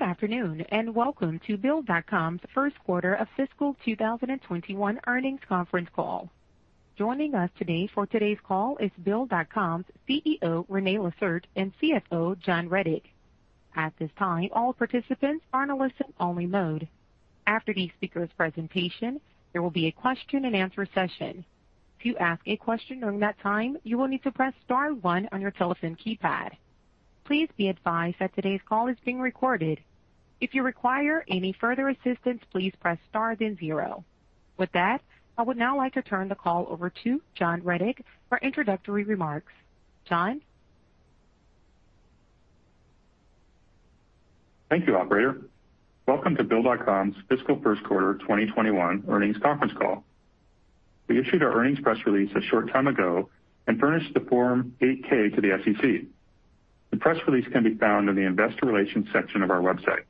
Good afternoon, and welcome to Bill.com's first quarter of fiscal 2021 earnings conference call. Joining us today for today's call is Bill.com's CEO, René Lacerte, and CFO, John Rettig. At this time all participants are in a listen-only mode. After these speakers' presentation, there will be a question and answer session. To ask a question during that time, you will need to press star one on your teephone keypad. Please be advised that today's call is being recorded. If you require any further assistance, please press star then zero. With that, I would now like to turn the call over to John Rettig for introductory remarks. John? Thank you, operator. Welcome to Bill.com's fiscal first quarter 2021 earnings conference call. We issued our earnings press release a short time ago and furnished the Form 8-K to the SEC. The press release can be found in the investor relations section of our website.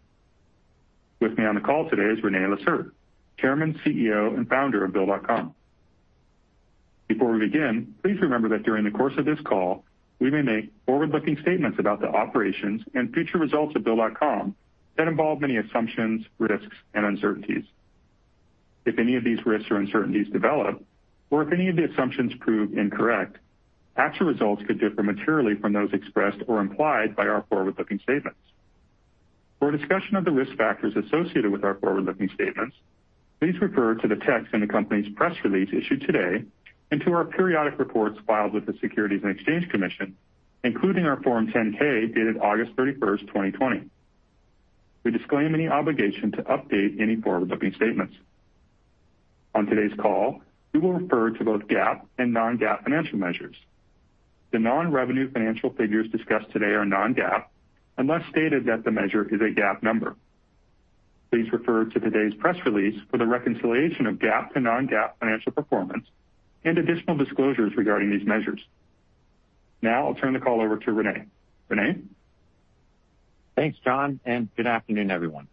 With me on the call today is René Lacerte, Chairman, CEO, and Founder of Bill.com. Before we begin, please remember that during the course of this call, we may make forward-looking statements about the operations and future results of Bill.com that involve many assumptions, risks, and uncertainties. If any of these risks or uncertainties develop, or if any of the assumptions prove incorrect, actual results could differ materially from those expressed or implied by our forward-looking statements. For a discussion of the risk factors associated with our forward-looking statements, please refer to the text in the company's press release issued today and to our periodic reports filed with the Securities and Exchange Commission, including our Form 10-K, dated August 31st, 2020. We disclaim any obligation to update any forward-looking statements. On today's call, we will refer to both GAAP and non-GAAP financial measures. The non-revenue financial figures discussed today are non-GAAP, unless stated that the measure is a GAAP number. Please refer to today's press release for the reconciliation of GAAP to non-GAAP financial performance and additional disclosures regarding these measures. Now I'll turn the call over to René. René? Thanks, John. Good afternoon, everyone.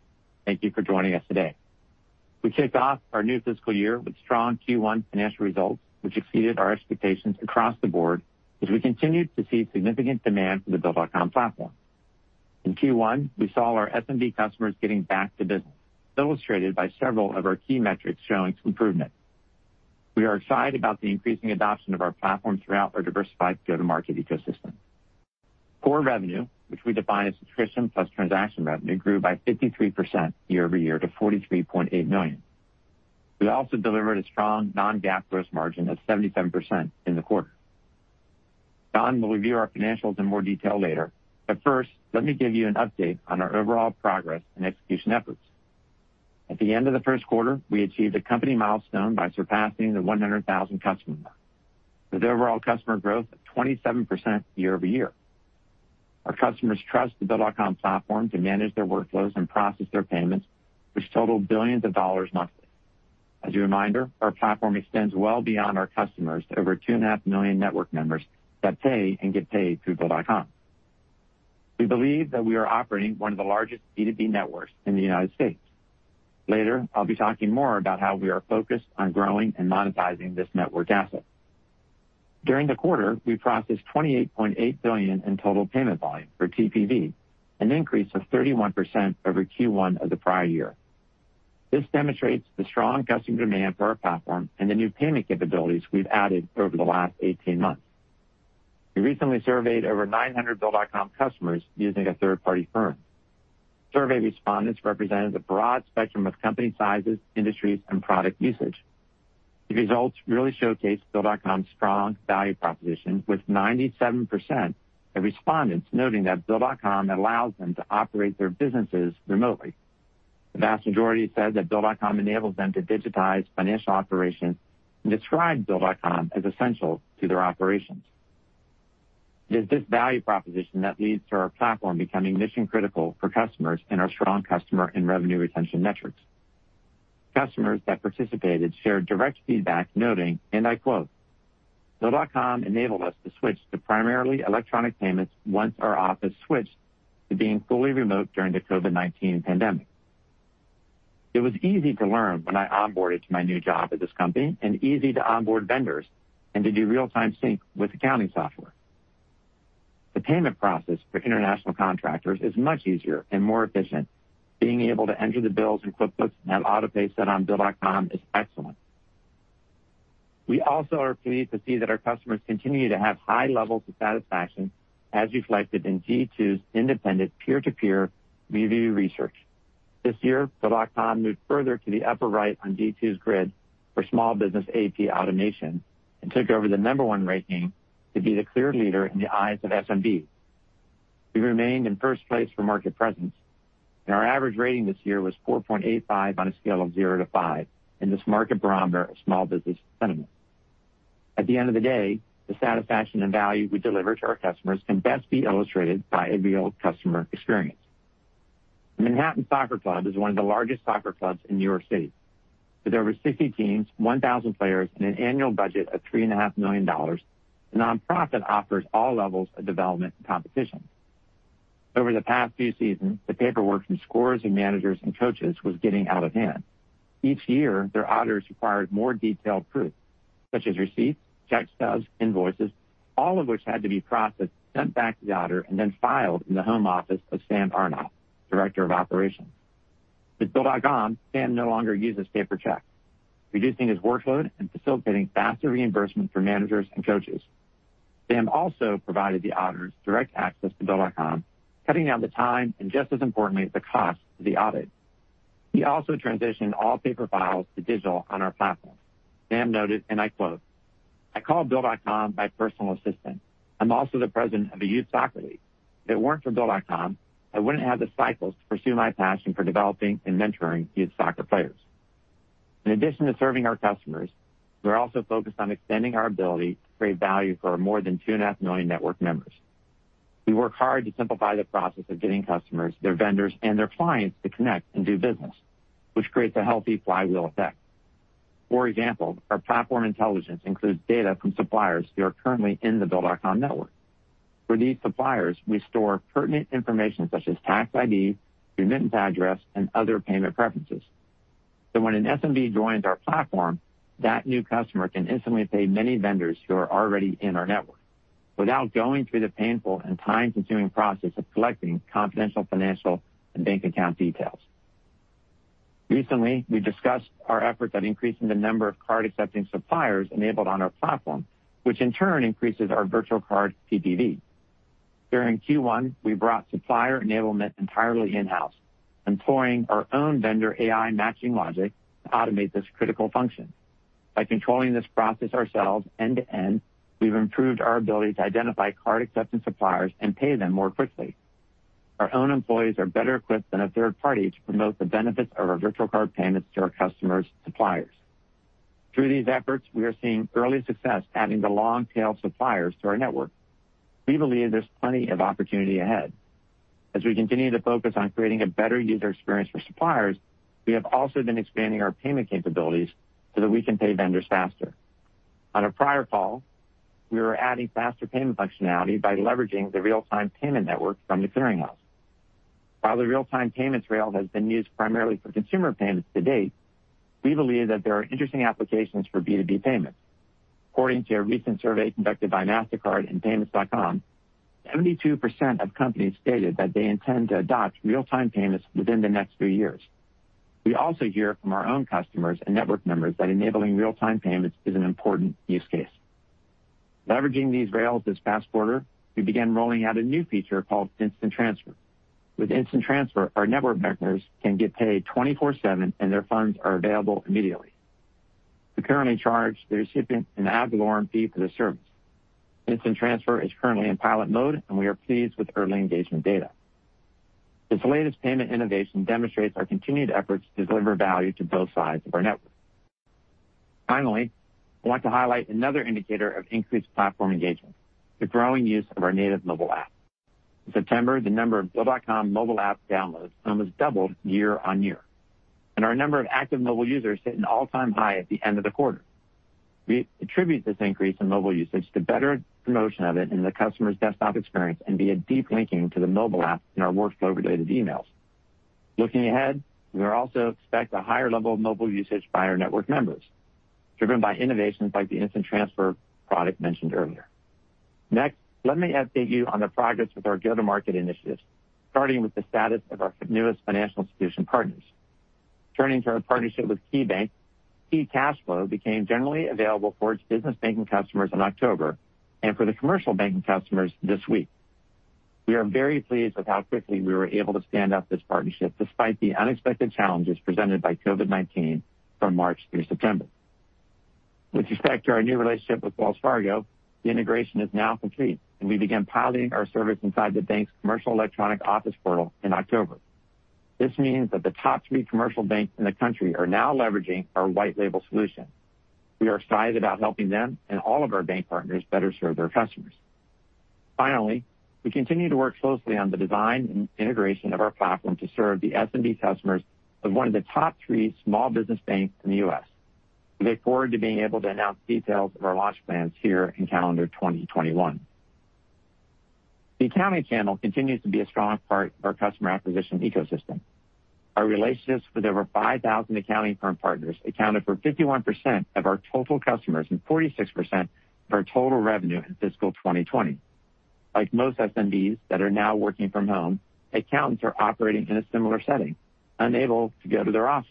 Thank you for joining us today. We kicked off our new fiscal year with strong Q1 financial results, which exceeded our expectations across the board as we continued to see significant demand for the Bill.com platform. In Q1, we saw our SMB customers getting back to business, illustrated by several of our key metrics showing improvement. We are excited about the increasing adoption of our platform throughout our diversified go-to-market ecosystem. Core revenue, which we define as subscription plus transaction revenue, grew by 53% year-over-year to $43.8 million. We also delivered a strong non-GAAP gross margin of 77% in the quarter. John will review our financials in more detail later, but first, let me give you an update on our overall progress and execution efforts. At the end of the first quarter, we achieved a company milestone by surpassing the 100,000 customer mark with overall customer growth of 27% year-over-year. Our customers trust the Bill.com platform to manage their workloads and process their payments, which total billions of dollars monthly. As a reminder, our platform extends well beyond our customers to over 2.5 million network members that pay and get paid through Bill.com. We believe that we are operating one of the largest B2B networks in the United States. Later, I'll be talking more about how we are focused on growing and monetizing this network asset. During the quarter, we processed $28.8 billion in total payment volume, or TPV, an increase of 31% over Q1 of the prior year. This demonstrates the strong customer demand for our platform and the new payment capabilities we've added over the last 18 months. We recently surveyed over 900 Bill.com customers using a third-party firm. Survey respondents represented a broad spectrum of company sizes, industries, and product usage. The results really showcased Bill.com's strong value proposition, with 97% of respondents noting that Bill.com allows them to operate their businesses remotely. The vast majority said that Bill.com enables them to digitize financial operations and describe Bill.com as essential to their operations. It is this value proposition that leads to our platform becoming mission-critical for customers and our strong customer and revenue retention metrics. Customers that participated shared direct feedback, noting, and I quote, "Bill.com enabled us to switch to primarily electronic payments once our office switched to being fully remote during the COVID-19 pandemic. It was easy to learn when I onboarded to my new job at this company and easy to onboard vendors and to do real-time sync with accounting software. The payment process for international contractors is much easier and more efficient. Being able to enter the bills in QuickBooks and have auto-pay set on Bill.com is excellent." We also are pleased to see that our customers continue to have high levels of satisfaction, as reflected in G2's independent peer-to-peer review research. This year, Bill.com moved further to the upper right on G2's grid for small business AP automation and took over the number one ranking to be the clear leader in the eyes of SMBs. We remained in first place for market presence, and our average rating this year was 4.85 on a scale of zero to five in this market barometer of small business sentiment. At the end of the day, the satisfaction and value we deliver to our customers can best be illustrated by a real customer experience. Manhattan Soccer Club is one of the largest soccer clubs in New York City. With over 60 teams, 1,000 players, and an annual budget of $3.5 million dollars, the nonprofit offers all levels of development and competition. Over the past few seasons, the paperwork from scorers and managers and coaches was getting out of hand. Each year, their auditors required more detailed proof. Such as receipts, check stubs, invoices, all of which had to be processed, sent back to the auditor, and then filed in the home office of Sam Arnott, Director of Operations. With Bill.com, Sam no longer uses paper checks, reducing his workload and facilitating faster reimbursement for managers and coaches. Sam also provided the auditors direct access to Bill.com, cutting down the time, and just as importantly, the cost of the audit. He also transitioned all paper files to digital on our platform. Sam noted, and I quote, "I call Bill.com my personal assistant. I'm also the President of a youth soccer league. If it weren't for Bill.com, I wouldn't have the cycles to pursue my passion for developing and mentoring youth soccer players." In addition to serving our customers, we're also focused on extending our ability to create value for our more than 2.5 million network members. We work hard to simplify the process of getting customers, their vendors, and their clients to connect and do business, which creates a healthy flywheel effect. For example, our platform intelligence includes data from suppliers who are currently in the Bill.com network. For these suppliers, we store pertinent information such as tax ID, remittance address, and other payment preferences. When an SMB joins our platform, that new customer can instantly pay many vendors who are already in our network without going through the painful and time-consuming process of collecting confidential financial and bank account details. Recently, we discussed our efforts on increasing the number of card-accepting suppliers enabled on our platform, which in turn increases our virtual card TPV. During Q1, we brought supplier enablement entirely in-house, employing our own vendor AI matching logic to automate this critical function. By controlling this process ourselves end-to-end, we've improved our ability to identify card-accepting suppliers and pay them more quickly. Our own employees are better equipped than a third party to promote the benefits of our virtual card payments to our customers' suppliers. Through these efforts, we are seeing early success adding the long-tail suppliers to our network. We believe there's plenty of opportunity ahead. As we continue to focus on creating a better user experience for suppliers, we have also been expanding our payment capabilities so that we can pay vendors faster. On a prior call, we were adding faster payment functionality by leveraging the real-time payment network from The Clearing House. While the real-time payments rail has been used primarily for consumer payments to date, we believe that there are interesting applications for B2B payments. According to a recent survey conducted by Mastercard and PYMNTS.com, 72% of companies stated that they intend to adopt real-time payments within the next few years. We also hear from our own customers and network members that enabling real-time payments is an important use case. Leveraging these rails as faster, we began rolling out a new feature called Instant Transfer. With Instant Transfer, our network members can get paid 24/7, and their funds are available immediately. We currently charge the recipient an ad valorem fee for the service. Instant Transfer is currently in pilot mode, and we are pleased with early engagement data. This latest payment innovation demonstrates our continued efforts to deliver value to both sides of our network. Finally, I want to highlight another indicator of increased platform engagement, the growing use of our native mobile app. In September, the number of Bill.com mobile app downloads almost doubled year-on-year. Our number of active mobile users hit an all-time high at the end of the quarter. We attribute this increase in mobile usage to better promotion of it in the customer's desktop experience and via deep linking to the mobile app in our workflow-related emails. Looking ahead, we also expect a higher level of mobile usage by our network members, driven by innovations like the Instant Transfer product mentioned earlier. Next, let me update you on the progress with our go-to-market initiatives, starting with the status of our newest financial institution partners. Turning to our partnership with KeyBank, Key CashFlow became generally available for its business banking customers in October, and for the commercial banking customers this week. We are very pleased with how quickly we were able to stand up this partnership despite the unexpected challenges presented by COVID-19 from March through September. With respect to our new relationship with Wells Fargo, the integration is now complete, and we began piloting our service inside the bank's Commercial Electronic Office portal in October. This means that the top three commercial banks in the country are now leveraging our white label solution. We are excited about helping them and all of our bank partners better serve their customers. Finally, we continue to work closely on the design and integration of our platform to serve the SMB customers of one of the top three small business banks in the U.S. We look forward to being able to announce details of our launch plans here in calendar 2021. The accounting channel continues to be a strong part of our customer acquisition ecosystem. Our relationships with over 5,000 accounting firm partners accounted for 51% of our total customers and 46% of our total revenue in fiscal 2020. Like most SMBs that are now working from home, accountants are operating in a similar setting, unable to go to their office.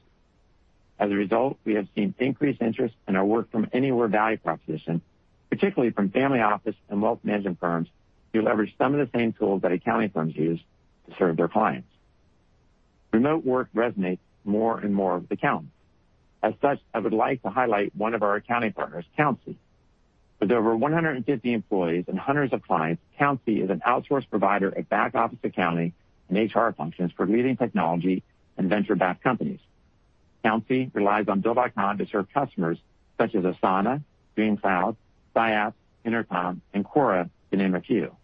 As a result, we have seen increased interest in our work-from-anywhere value proposition, particularly from family office and wealth management firms who leverage some of the same tools that accounting firms use to serve their clients. Remote work resonates with more and more of accountants. I would like to highlight one of our accounting partners, Countsy. With over 150 employees and hundreds of clients, Countsy is an outsource provider of back-office accounting and HR functions for leading technology and venture-backed companies. Countsy relies on Bill.com to serve customers such as Asana, DreamCloud, Siop, Intercom, and Quora, to name a few.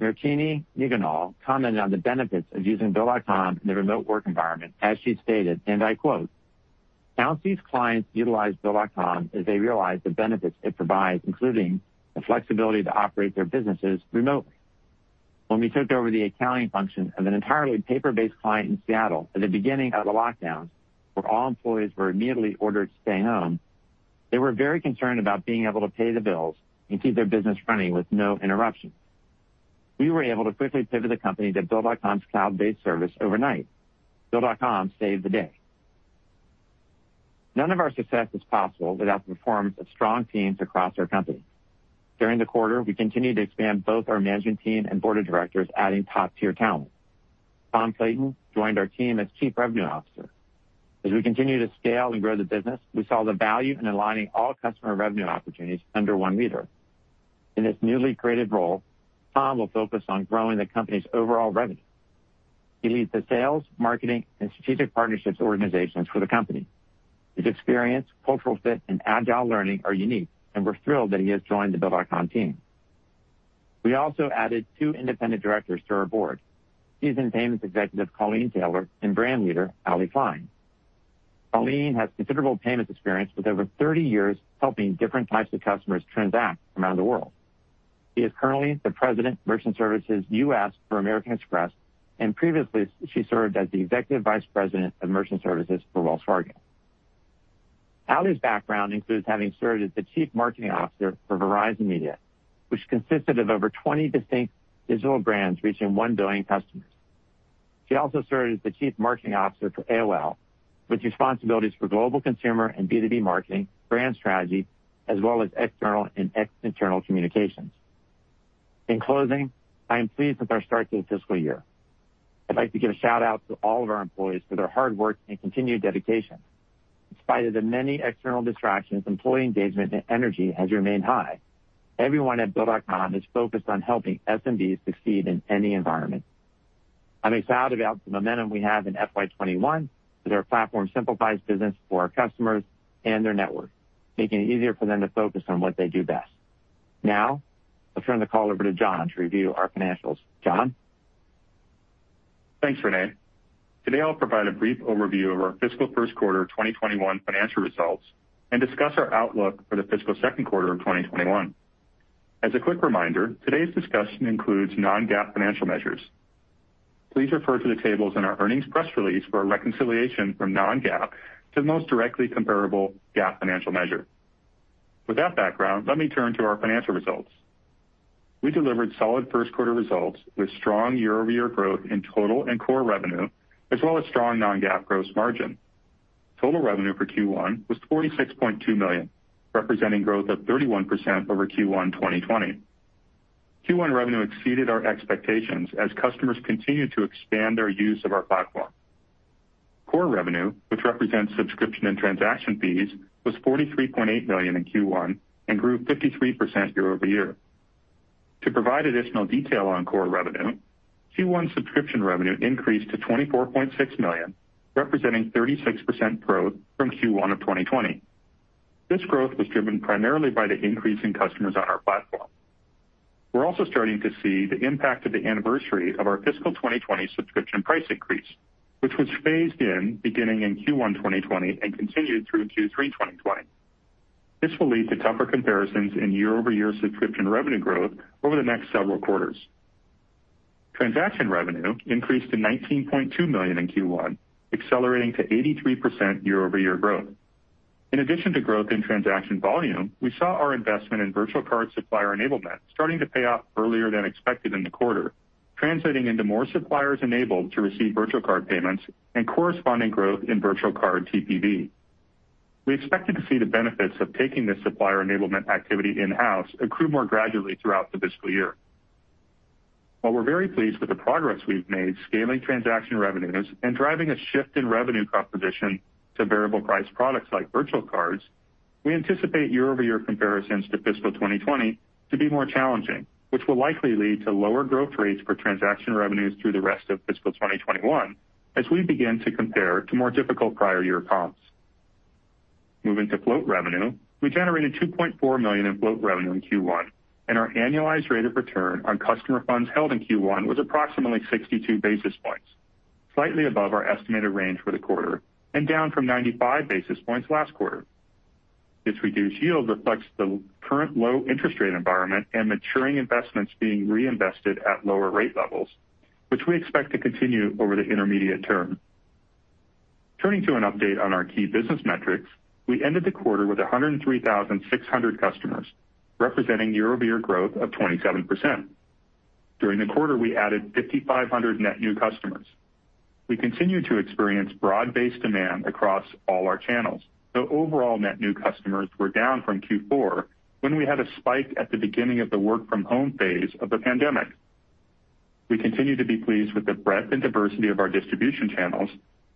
Founder, Mairtini Ni Dhomhnaill, commented on the benefits of using Bill.com in the remote work environment, as she stated, and I quote, "Countsy's clients utilize Bill.com as they realize the benefits it provides, including the flexibility to operate their businesses remotely." When we took over the accounting function of an entirely paper-based client in Seattle at the beginning of the lockdown, where all employees were immediately ordered to stay home, they were very concerned about being able to pay the bills and keep their business running with no interruption. We were able to quickly pivot the company to Bill.com's cloud-based service overnight. Bill.com saved the day. None of our success is possible without the performance of strong teams across our company. During the quarter, we continued to expand both our management team and Board of Directors, adding top-tier talent. Tom Clayton joined our team as Chief Revenue Officer. As we continue to scale and grow the business, we saw the value in aligning all customer revenue opportunities under one leader. In his newly created role, Tom will focus on growing the company's overall revenue. He leads the sales, marketing, and strategic partnerships organizations for the company. His experience, cultural fit, and agile learning are unique, and we're thrilled that he has joined the Bill.com team. We also added two independent directors to our Board, seasoned payments executive Colleen Taylor, and brand leader Allie Kline. Colleen has considerable payments experience with over 30 years helping different types of customers transact around the world. She is currently the President, Merchant Services U.S. for American Express. Previously she served as the Executive Vice President of Merchant Services for Wells Fargo. Allie's background includes having served as the Chief Marketing Officer for Verizon Media, which consisted of over 20 distinct digital brands reaching 1 billion customers. She also served as the Chief Marketing Officer for AOL, with responsibilities for global consumer and B2B marketing, brand strategy, as well as external and ex-internal communications. In closing, I am pleased with our start to the fiscal year. I'd like to give a shout-out to all of our employees for their hard work and continued dedication. In spite of the many external distractions, employee engagement and energy has remained high. Everyone at Bill.com is focused on helping SMBs succeed in any environment. I'm excited about the momentum we have in FY 2021, as our platform simplifies business for our customers and their network, making it easier for them to focus on what they do best. Now, I'll turn the call over to John to review our financials. John? Thanks, René. Today, I'll provide a brief overview of our fiscal first quarter 2021 financial results and discuss our outlook for the fiscal second quarter of 2021. As a quick reminder, today's discussion includes non-GAAP financial measures. Please refer to the tables in our earnings press release for a reconciliation from non-GAAP to the most directly comparable GAAP financial measure. With that background, let me turn to our financial results. We delivered solid first-quarter results with strong year-over-year growth in total and core revenue, as well as strong non-GAAP gross margin. Total revenue for Q1 was $46.2 million, representing growth of 31% over Q1 2020. Q1 revenue exceeded our expectations as customers continued to expand their use of our platform. Core revenue, which represents subscription and transaction fees, was $43.8 million in Q1 and grew 53% year-over-year. To provide additional detail on core revenue, Q1 subscription revenue increased to $24.6 million, representing 36% growth from Q1 of 2020. This growth was driven primarily by the increase in customers on our platform. We're also starting to see the impact of the anniversary of our fiscal 2020 subscription price increase, which was phased in beginning in Q1 2020 and continued through Q3 2020. This will lead to tougher comparisons in year-over-year subscription revenue growth over the next several quarters. Transaction revenue increased to $19.2 million in Q1, accelerating to 83% year-over-year growth. In addition to growth in transaction volume, we saw our investment in virtual card supplier enablement starting to pay off earlier than expected in the quarter, translating into more suppliers enabled to receive virtual card payments and corresponding growth in virtual card TPV. We expected to see the benefits of taking this supplier enablement activity in-house accrue more gradually throughout the fiscal year. While we're very pleased with the progress we've made scaling transaction revenues and driving a shift in revenue composition to variable price products like virtual cards, we anticipate year-over-year comparisons to fiscal 2020 to be more challenging, which will likely lead to lower growth rates for transaction revenues through the rest of fiscal 2021 as we begin to compare to more difficult prior year comps. Moving to float revenue, we generated $2.4 million in float revenue in Q1, and our annualized rate of return on customer funds held in Q1 was approximately 62 basis points, slightly above our estimated range for the quarter and down from 95 basis points last quarter. This reduced yield reflects the current low interest rate environment and maturing investments being reinvested at lower rate levels, which we expect to continue over the intermediate term. Turning to an update on our key business metrics, we ended the quarter with 103,600 customers, representing year-over-year growth of 27%. During the quarter, we added 5,500 net new customers. We continue to experience broad-based demand across all our channels, though overall net new customers were down from Q4 when we had a spike at the beginning of the work-from-home phase of the pandemic. We continue to be pleased with the breadth and diversity of our distribution channels,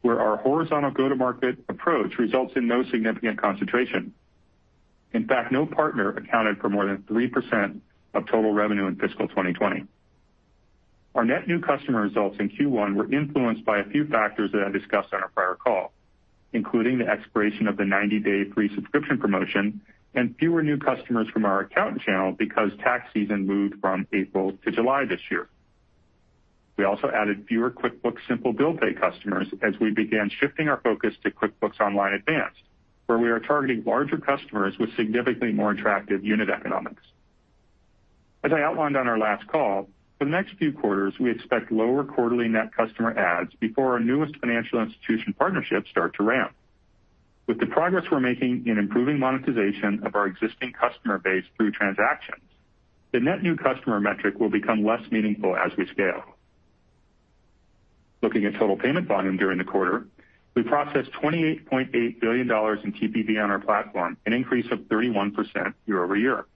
where our horizontal go-to-market approach results in no significant concentration. In fact, no partner accounted for more than 3% of total revenue in fiscal 2020. Our net new customer results in Q1 were influenced by a few factors that I discussed on our prior call, including the expiration of the 90-day free subscription promotion and fewer new customers from our accountant channel because tax season moved from April to July this year. We also added fewer QuickBooks Bill Pay customers as we began shifting our focus to QuickBooks Online Advanced, where we are targeting larger customers with significantly more attractive unit economics. As I outlined on our last call, for the next few quarters, we expect lower quarterly net customer adds before our newest financial institution partnerships start to ramp. With the progress we're making in improving monetization of our existing customer base through transactions, the net new customer metric will become less meaningful as we scale. Looking at total payment volume during the quarter, we processed $28.8 billion in TPV on our platform, an increase of 31% year-over-year.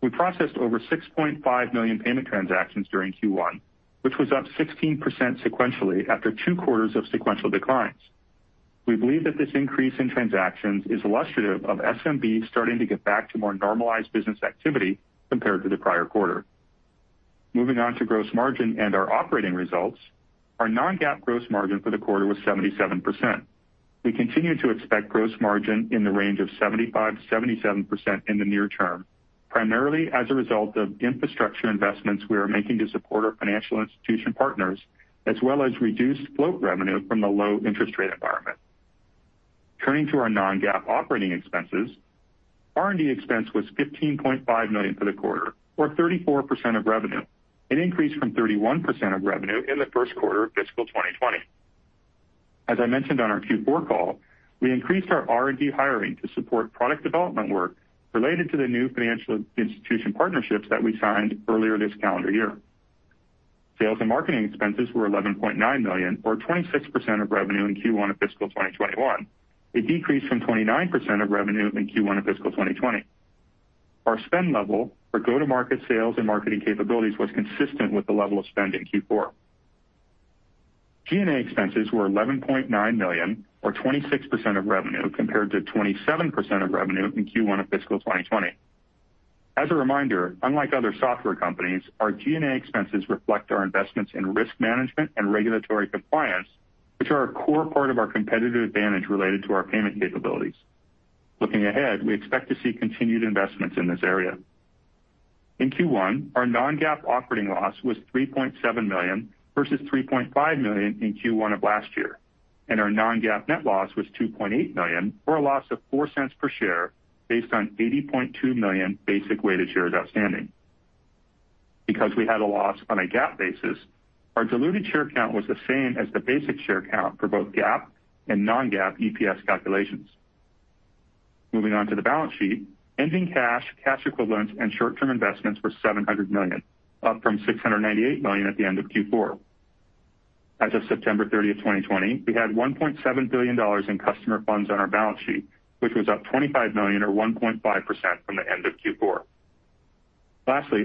We processed over 6.5 million payment transactions during Q1, which was up 16% sequentially after two quarters of sequential declines. We believe that this increase in transactions is illustrative of SMB starting to get back to more normalized business activity compared to the prior quarter. Moving on to gross margin and our operating results, our non-GAAP gross margin for the quarter was 77%. We continue to expect gross margin in the range of 75%-77% in the near term, primarily as a result of infrastructure investments we are making to support our financial institution partners, as well as reduced float revenue from the low interest rate environment. Turning to our non-GAAP operating expenses, R&D expense was $15.5 million for the quarter, or 34% of revenue, an increase from 31% of revenue in the first quarter of fiscal 2020. As I mentioned on our Q4 call, we increased our R&D hiring to support product development work related to the new financial institution partnerships that we signed earlier this calendar year. Sales and marketing expenses were $11.9 million, or 26% of revenue in Q1 of fiscal 2021, a decrease from 29% of revenue in Q1 of fiscal 2020. Our spend level for go-to-market sales and marketing capabilities was consistent with the level of spend in Q4. G&A expenses were $11.9 million, or 26% of revenue, compared to 27% of revenue in Q1 of fiscal 2020. As a reminder, unlike other software companies, our G&A expenses reflect our investments in risk management and regulatory compliance, which are a core part of our competitive advantage related to our payment capabilities. Looking ahead, we expect to see continued investments in this area. In Q1, our non-GAAP operating loss was $3.7 million versus $3.5 million in Q1 of last year. Our non-GAAP net loss was $2.8 million, or a loss of $0.04 per share based on 80.2 million basic weighted shares outstanding. Because we had a loss on a GAAP basis, our diluted share count was the same as the basic share count for both GAAP and non-GAAP EPS calculations. Moving on to the balance sheet, ending cash equivalents, and short-term investments were $700 million, up from $698 million at the end of Q4. As of September 30th, 2020, we had $1.7 billion in customer funds on our balance sheet, which was up $25 million or 1.5% from the end of Q4.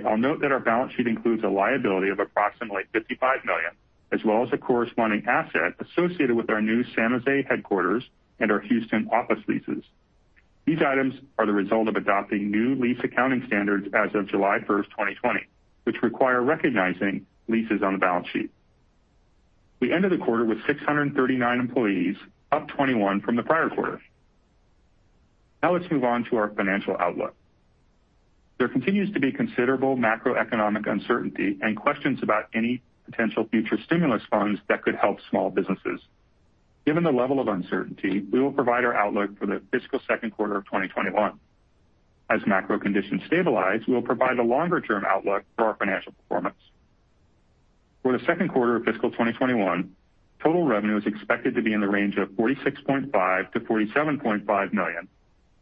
I'll note that our balance sheet includes a liability of approximately $55 million, as well as a corresponding asset associated with our new San Jose headquarters and our Houston office leases. These items are the result of adopting new lease accounting standards as of July 1st, 2020, which require recognizing leases on the balance sheet. We ended the quarter with 639 employees, up 21 from the prior quarter. Let's move on to our financial outlook. There continues to be considerable macroeconomic uncertainty and questions about any potential future stimulus funds that could help small businesses. Given the level of uncertainty, we will provide our outlook for the fiscal second quarter of 2021. As macro conditions stabilize, we will provide a longer-term outlook for our financial performance. For the second quarter of fiscal 2021, total revenue is expected to be in the range of $46.5 million-$47.5 million,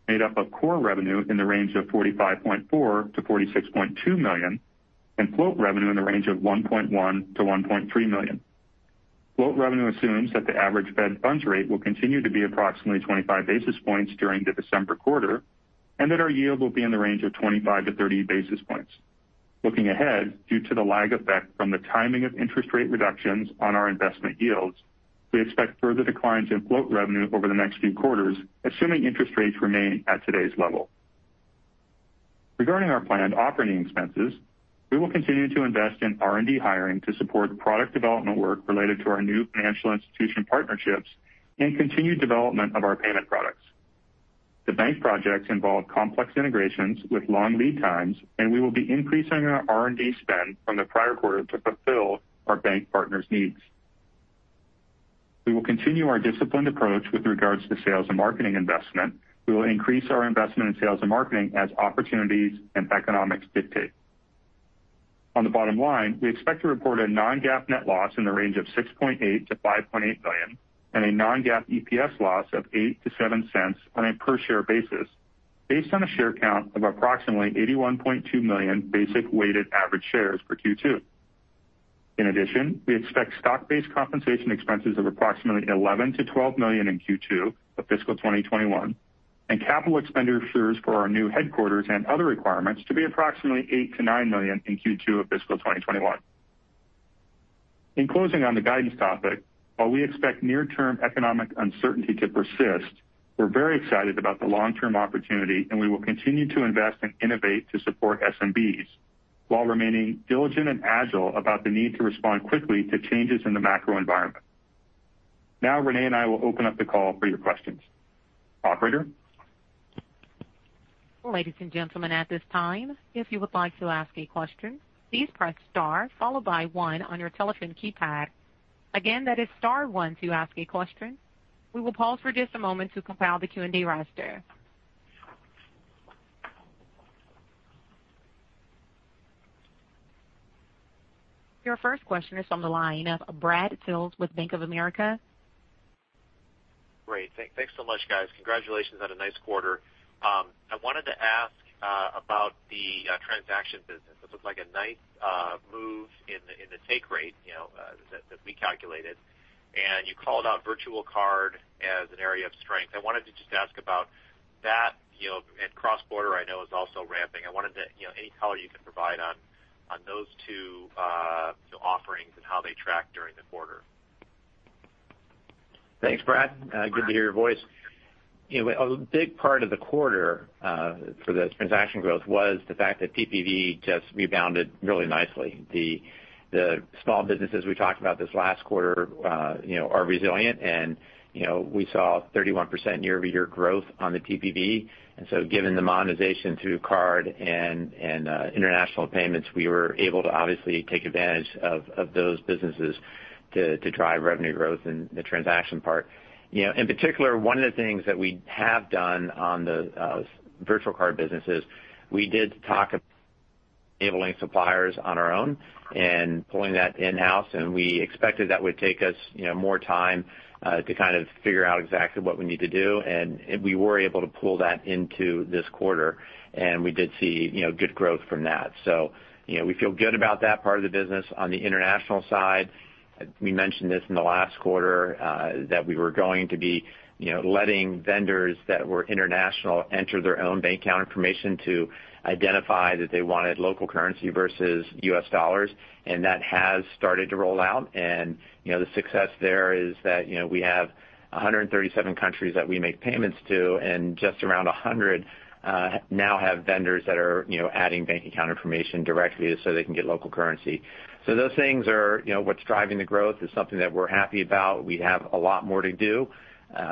made up of core revenue in the range of $45.4 million-$46.2 million, and float revenue in the range of $1.1 million-$1.3 million. Float revenue assumes that the average Fed funds rate will continue to be approximately 25 basis points during the December quarter, and that our yield will be in the range of 25-30 basis points. Looking ahead, due to the lag effect from the timing of interest rate reductions on our investment yields, we expect further declines in float revenue over the next few quarters, assuming interest rates remain at today's level. Regarding our planned operating expenses, we will continue to invest in R&D hiring to support product development work related to our new financial institution partnerships and continued development of our payment products. The bank projects involve complex integrations with long lead times, and we will be increasing our R&D spend from the prior quarter to fulfill our bank partners' needs. We will continue our disciplined approach with regards to sales and marketing investment. We will increase our investment in sales and marketing as opportunities and economics dictate. On the bottom line, we expect to report a non-GAAP net loss in the range of $6.8 million-$5.8 million and a non-GAAP EPS loss of $0.08-$0.07 on a per-share basis, based on a share count of approximately 81.2 million basic weighted average shares for Q2. In addition, we expect stock-based compensation expenses of approximately $11 million-$12 million in Q2 of fiscal 2021, and capital expenditures for our new headquarters and other requirements to be approximately $8 million-$9 million in Q2 of fiscal 2021. In closing on the guidance topic, while we expect near-term economic uncertainty to persist, we're very excited about the long-term opportunity, and we will continue to invest and innovate to support SMBs while remaining diligent and agile about the need to respond quickly to changes in the macro environment. Now, René and I will open up the call for your questions. Operator? Ladies and gentlemen, at this time if you would like to ask a question, please press star followed by one on your telephone keypad. Again, that is star one to ask a question. We will pause for just a moment to compile the Q and A roster. Your first question is from the line of Brad Sills with Bank of America. Great. Thanks so much, guys. Congratulations on a nice quarter. I wanted to ask about the transaction business. It looks like a nice move in the take rate that we calculated. You called out virtual card as an area of strength. I wanted to just ask about that, and cross-border I know is also ramping. Any color you can provide on those two offerings and how they track during the quarter. Thanks, Brad. Good to hear your voice. A big part of the quarter for the transaction growth was the fact that TPV just rebounded really nicely. The small businesses we talked about this last quarter are resilient and we saw 31% year-over-year growth on the TPV. Given the monetization through card and international payments, we were able to obviously take advantage of those businesses to drive revenue growth in the transaction part. In particular, one of the things that we have done on the virtual card business is we did talk enabling suppliers on our own and pulling that in-house, and we expected that would take us more time to figure out exactly what we need to do. We were able to pull that into this quarter, and we did see good growth from that. We feel good about that part of the business. On the international side, we mentioned this in the last quarter, that we were going to be letting vendors that were international enter their own bank account information to identify that they wanted local currency versus US dollars. That has started to roll out. The success there is that we have 137 countries that we make payments to, and just around 100 now have vendors that are adding bank account information directly so they can get local currency. Those things are what's driving the growth. It's something that we're happy about. We have a lot more to do.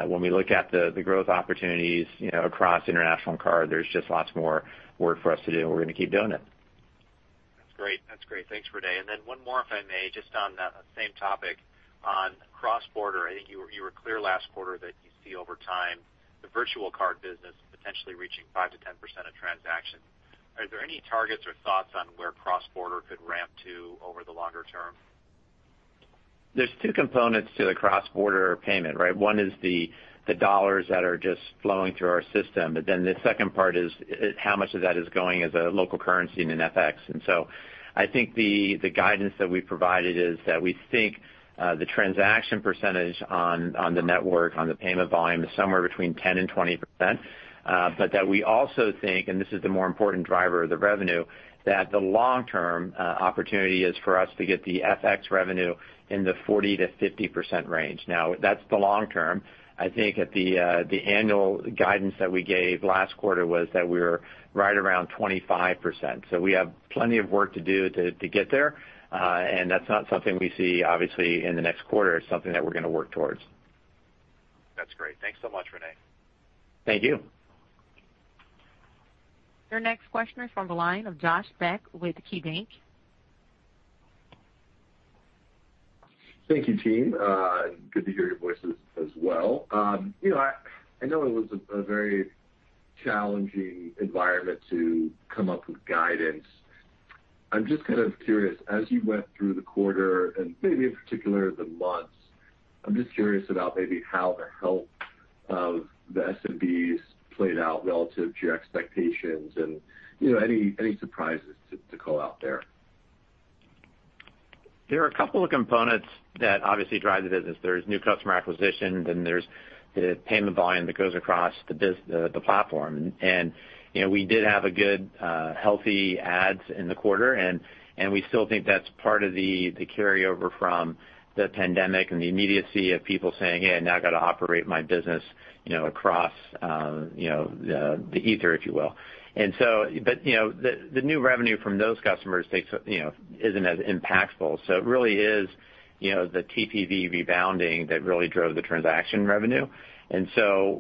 When we look at the growth opportunities across international card, there's just lots more work for us to do, and we're going to keep doing it. That's great. Thanks, René. One more, if I may, just on that same topic. On cross-border, I think you were clear last quarter that you see over time the virtual card business potentially reaching 5%-10% of transactions. Are there any targets or thoughts on where cross-border could ramp to over the longer term? There's two components to the cross-border payment, right? One is the dollars that are just flowing through our system. The second part is how much of that is going as a local currency in an FX. I think the guidance that we provided is that we think the transaction percentage on the network, on the payment volume, is somewhere between 10% and 20%. That we also think, and this is the more important driver of the revenue, that the long-term opportunity is for us to get the FX revenue in the 40%-50% range. Now, that's the long term. I think at the annual guidance that we gave last quarter was that we were right around 25%. We have plenty of work to do to get there. That's not something we see, obviously, in the next quarter. It's something that we're going to work towards. That's great. Thanks so much, René. Thank you. Your next question is from the line of Josh Beck with KeyBank. Thank you, team. Good to hear your voices as well. I know it was a very challenging environment to come up with guidance. I'm just kind of curious, as you went through the quarter and maybe in particular the months, I'm just curious about maybe how the health of the SMBs played out relative to your expectations and any surprises to call out there. There are a couple of components that obviously drive the business. There's new customer acquisition, then there's the payment volume that goes across the platform. We did have a good healthy adds in the quarter, and we still think that's part of the carryover from the pandemic and the immediacy of people saying, "Hey, I now got to operate my business across the ether," if you will. The new revenue from those customers isn't as impactful. It really is the TPV rebounding that really drove the transaction revenue.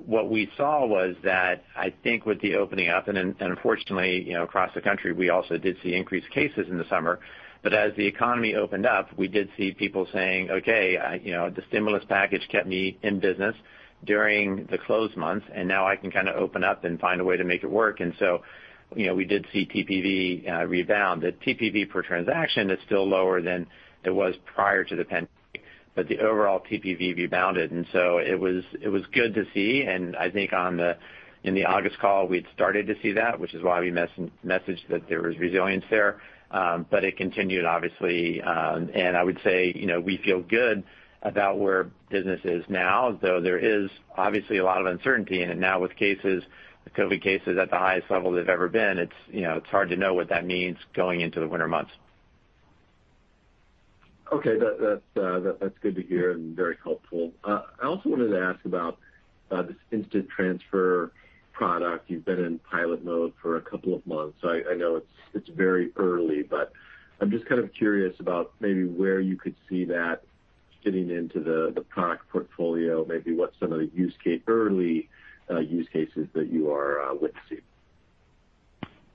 What we saw was that I think with the opening up and unfortunately, across the country, we also did see increased cases in the summer. As the economy opened up, we did see people saying, "Okay, the stimulus package kept me in business during the closed months, and now I can open up and find a way to make it work." We did see TPV rebound. The TPV per transaction is still lower than it was prior to the pandemic. The overall TPV rebounded. It was good to see, and I think in the August call, we'd started to see that, which is why we messaged that there was resilience there. It continued, obviously. I would say we feel good about where business is now, though there is obviously a lot of uncertainty. Now with COVID cases at the highest level they've ever been, it's hard to know what that means going into the winter months. Okay. That's good to hear and very helpful. I also wanted to ask about this Instant Transfer product. You've been in pilot mode for a couple of months. I know it's very early, but I'm just kind of curious about maybe where you could see that. fitting into the product portfolio, maybe what some of the early use cases that you are witnessing.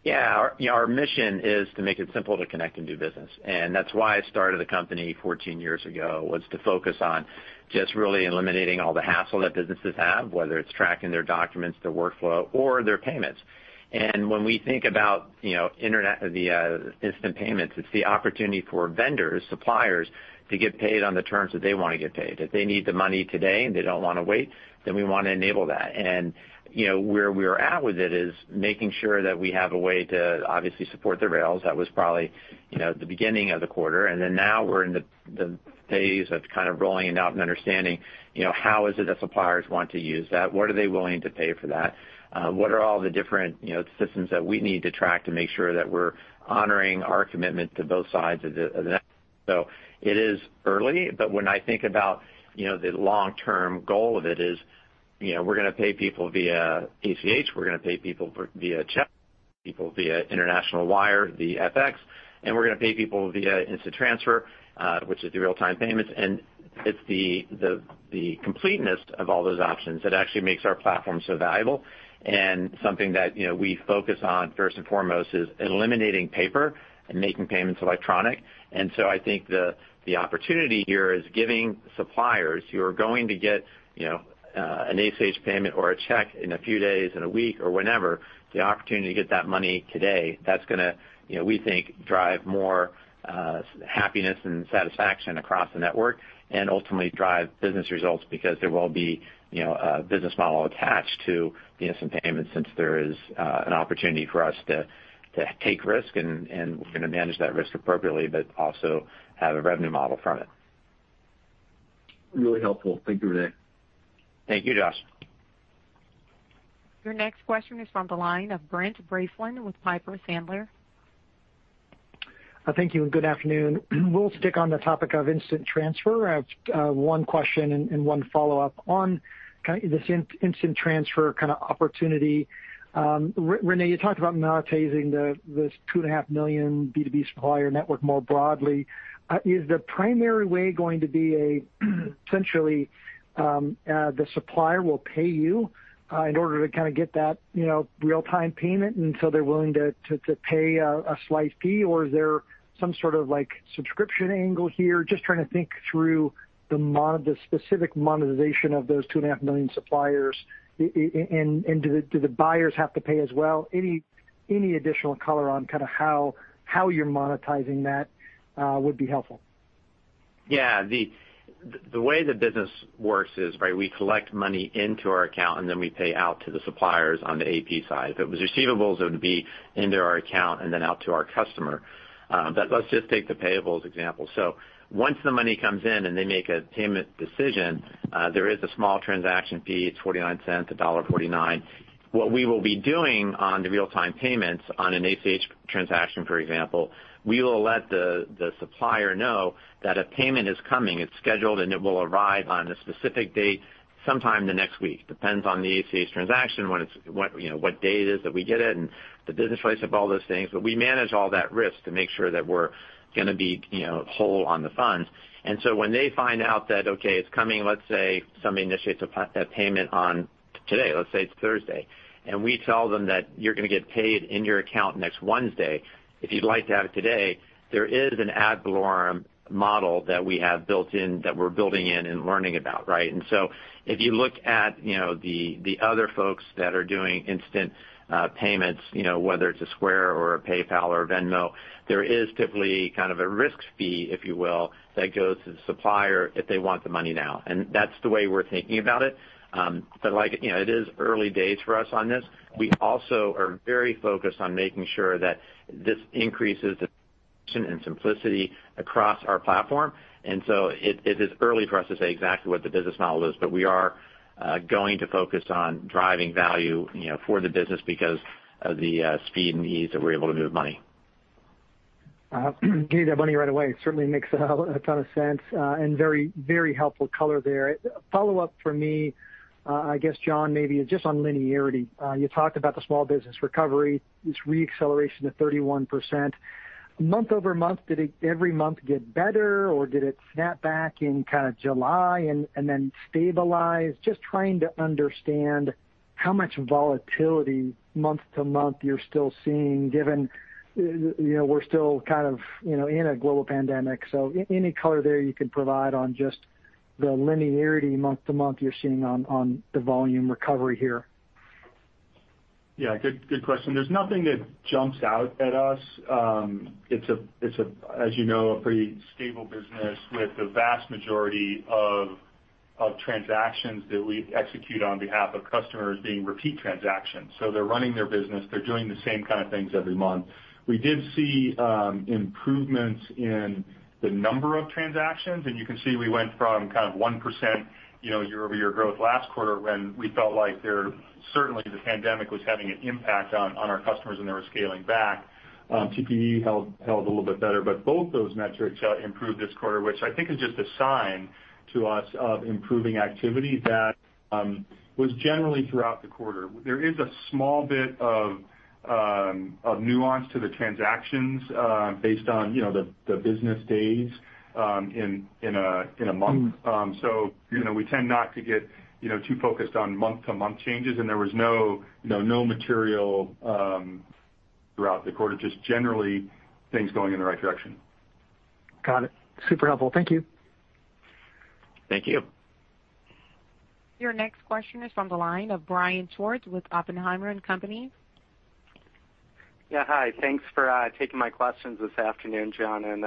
Yeah. Our mission is to make it simple to connect and do business. That's why I started the company 14 years ago, was to focus on just really eliminating all the hassle that businesses have, whether it's tracking their documents, their workflow, or their payments. When we think about Instant Payment, it's the opportunity for vendors, suppliers to get paid on the terms that they want to get paid. If they need the money today and they don't want to wait, we want to enable that. Where we are at with it is making sure that we have a way to obviously support the rails. That was probably the beginning of the quarter. Now we're in the phase of kind of rolling it out and understanding, how is it that suppliers want to use that? What are they willing to pay for that? What are all the different systems that we need to track to make sure that we're honoring our commitment to both sides of the network? It is early, but when I think about the long-term goal of it is, we're going to pay people via ACH, we're going to pay people via check, people via international wire, the FX, and we're going to pay people via Instant Transfer, which is the real-time payments. It's the completeness of all those options that actually makes our platform so valuable. Something that we focus on first and foremost is eliminating paper and making payments electronic. I think the opportunity here is giving suppliers who are going to get an ACH payment or a check in a few days, in a week, or whenever, the opportunity to get that money today. That's going to, we think, drive more happiness and satisfaction across the network and ultimately drive business results because there will be a business model attached to the instant payments since there is an opportunity for us to take risk, and we're going to manage that risk appropriately, but also have a revenue model from it. Really helpful. Thank you, René. Thank you, Josh. Your next question is from the line of Brent Bracelin with Piper Sandler. Thank you, and good afternoon. We'll stick on the topic of Instant Transfer. I have one question and one follow-up on this Instant Transfer kind of opportunity. René, you talked about monetizing this 2.5 million B2B supplier network more broadly. Is the primary way going to be essentially the supplier will pay you in order to kind of get that real-time payment, and so they're willing to pay a slight fee, or is there some sort of subscription angle here? Just trying to think through the specific monetization of those 2.5 million suppliers, and do the buyers have to pay as well? Any additional color on kind of how you're monetizing that would be helpful. Yeah. The way the business works is we collect money into our account, and then we pay out to the suppliers on the AP side. If it was receivables, it would be into our account and then out to our customer. Let's just take the payables example. Once the money comes in and they make a payment decision, there is a small transaction fee, it's $0.49, $1.49. What we will be doing on the real-time payments on an ACH transaction, for example, we will let the supplier know that a payment is coming, it's scheduled, and it will arrive on a specific date sometime the next week. Depends on the ACH transaction, what day it is that we get it, and the business rates of all those things. We manage all that risk to make sure that we're going to be whole on the funds. When they find out that, okay, it's coming, let's say somebody initiates a payment on today, let's say it's Thursday, and we tell them that you're going to get paid in your account next Wednesday. If you'd like to have it today, there is an ad valorem model that we have built in, that we're building in and learning about, right? If you look at the other folks that are doing instant payments, whether it's a Square or a PayPal or a Venmo, there is typically kind of a risk fee, if you will, that goes to the supplier if they want the money now. That's the way we're thinking about it. It is early days for us on this. We also are very focused on making sure that this increases the and simplicity across our platform. It is early for us to say exactly what the business model is, but we are going to focus on driving value for the business because of the speed and ease that we're able to move money. Getting that money right away certainly makes a ton of sense. Very helpful color there. Follow-up from me, I guess, John, maybe just on linearity. You talked about the small business recovery, this re-acceleration to 31%. Month-over-month, did every month get better, or did it snap back in kind of July and then stabilize? Just trying to understand how much volatility month-to-month you're still seeing given we're still kind of in a global pandemic. Any color there you can provide on just the linearity month-to-month you're seeing on the volume recovery here. Good question. There's nothing that jumps out at us. It's, as you know, a pretty stable business with the vast majority of transactions that we execute on behalf of customers being repeat transactions. They're running their business, they're doing the same kind of things every month. We did see improvements in the number of transactions, and you can see we went from kind of 1% year-over-year growth last quarter when we felt like certainly the pandemic was having an impact on our customers and they were scaling back. TPV held a little bit better. Both those metrics improved this quarter, which I think is just a sign to us of improving activity that was generally throughout the quarter. There is a small bit of nuance to the transactions based on the business days in a month. We tend not to get too focused on month-to-month changes, and there was no material throughout the quarter, just generally things going in the right direction. Got it. Super helpful. Thank you. Thank you. Your next question is from the line of Brian Schwartz with Oppenheimer & Co. Yeah. Hi. Thanks for taking my questions this afternoon, John and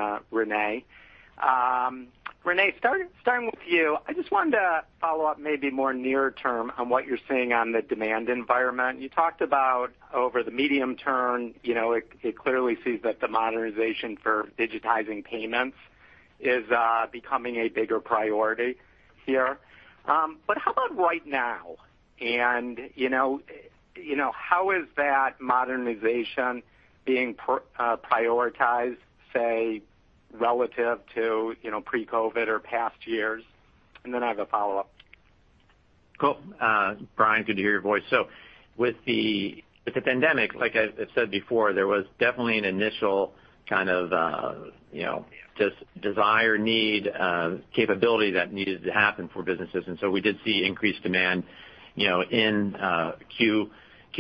René. René, starting with you, I just wanted to follow up maybe more near term on what you're seeing on the demand environment. You talked about over the medium term, it clearly sees that the modernization for digitizing payments is becoming a bigger priority here. How about right now? How is that modernization being prioritized, say, relative to pre-COVID-19 or past years? I have a follow-up. Cool. Brian, good to hear your voice. With the pandemic, like I said before, there was definitely an initial kind of just desire, need, capability that needed to happen for businesses. We did see increased demand in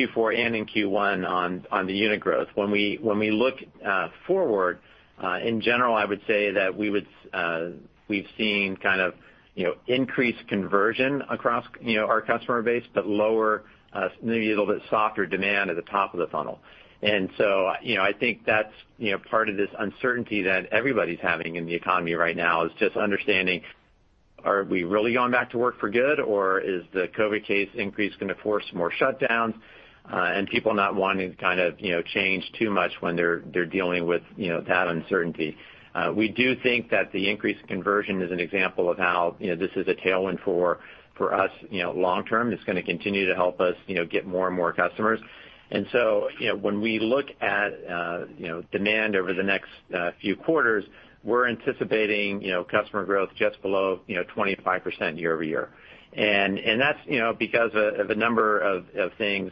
Q4 and in Q1 on the unit growth. When we look forward, in general, I would say that we've seen increased conversion across our customer base, but lower, maybe a little bit softer demand at the top of the funnel. I think that's part of this uncertainty that everybody's having in the economy right now is just understanding, are we really going back to work for good, or is the COVID case increase going to force more shutdowns? It's about people not wanting to change too much when they're dealing with that uncertainty. We do think that the increased conversion is an example of how this is a tailwind for us long-term. It's going to continue to help us get more and more customers. When we look at demand over the next few quarters, we're anticipating customer growth just below 25% year-over-year. That's because of a number of things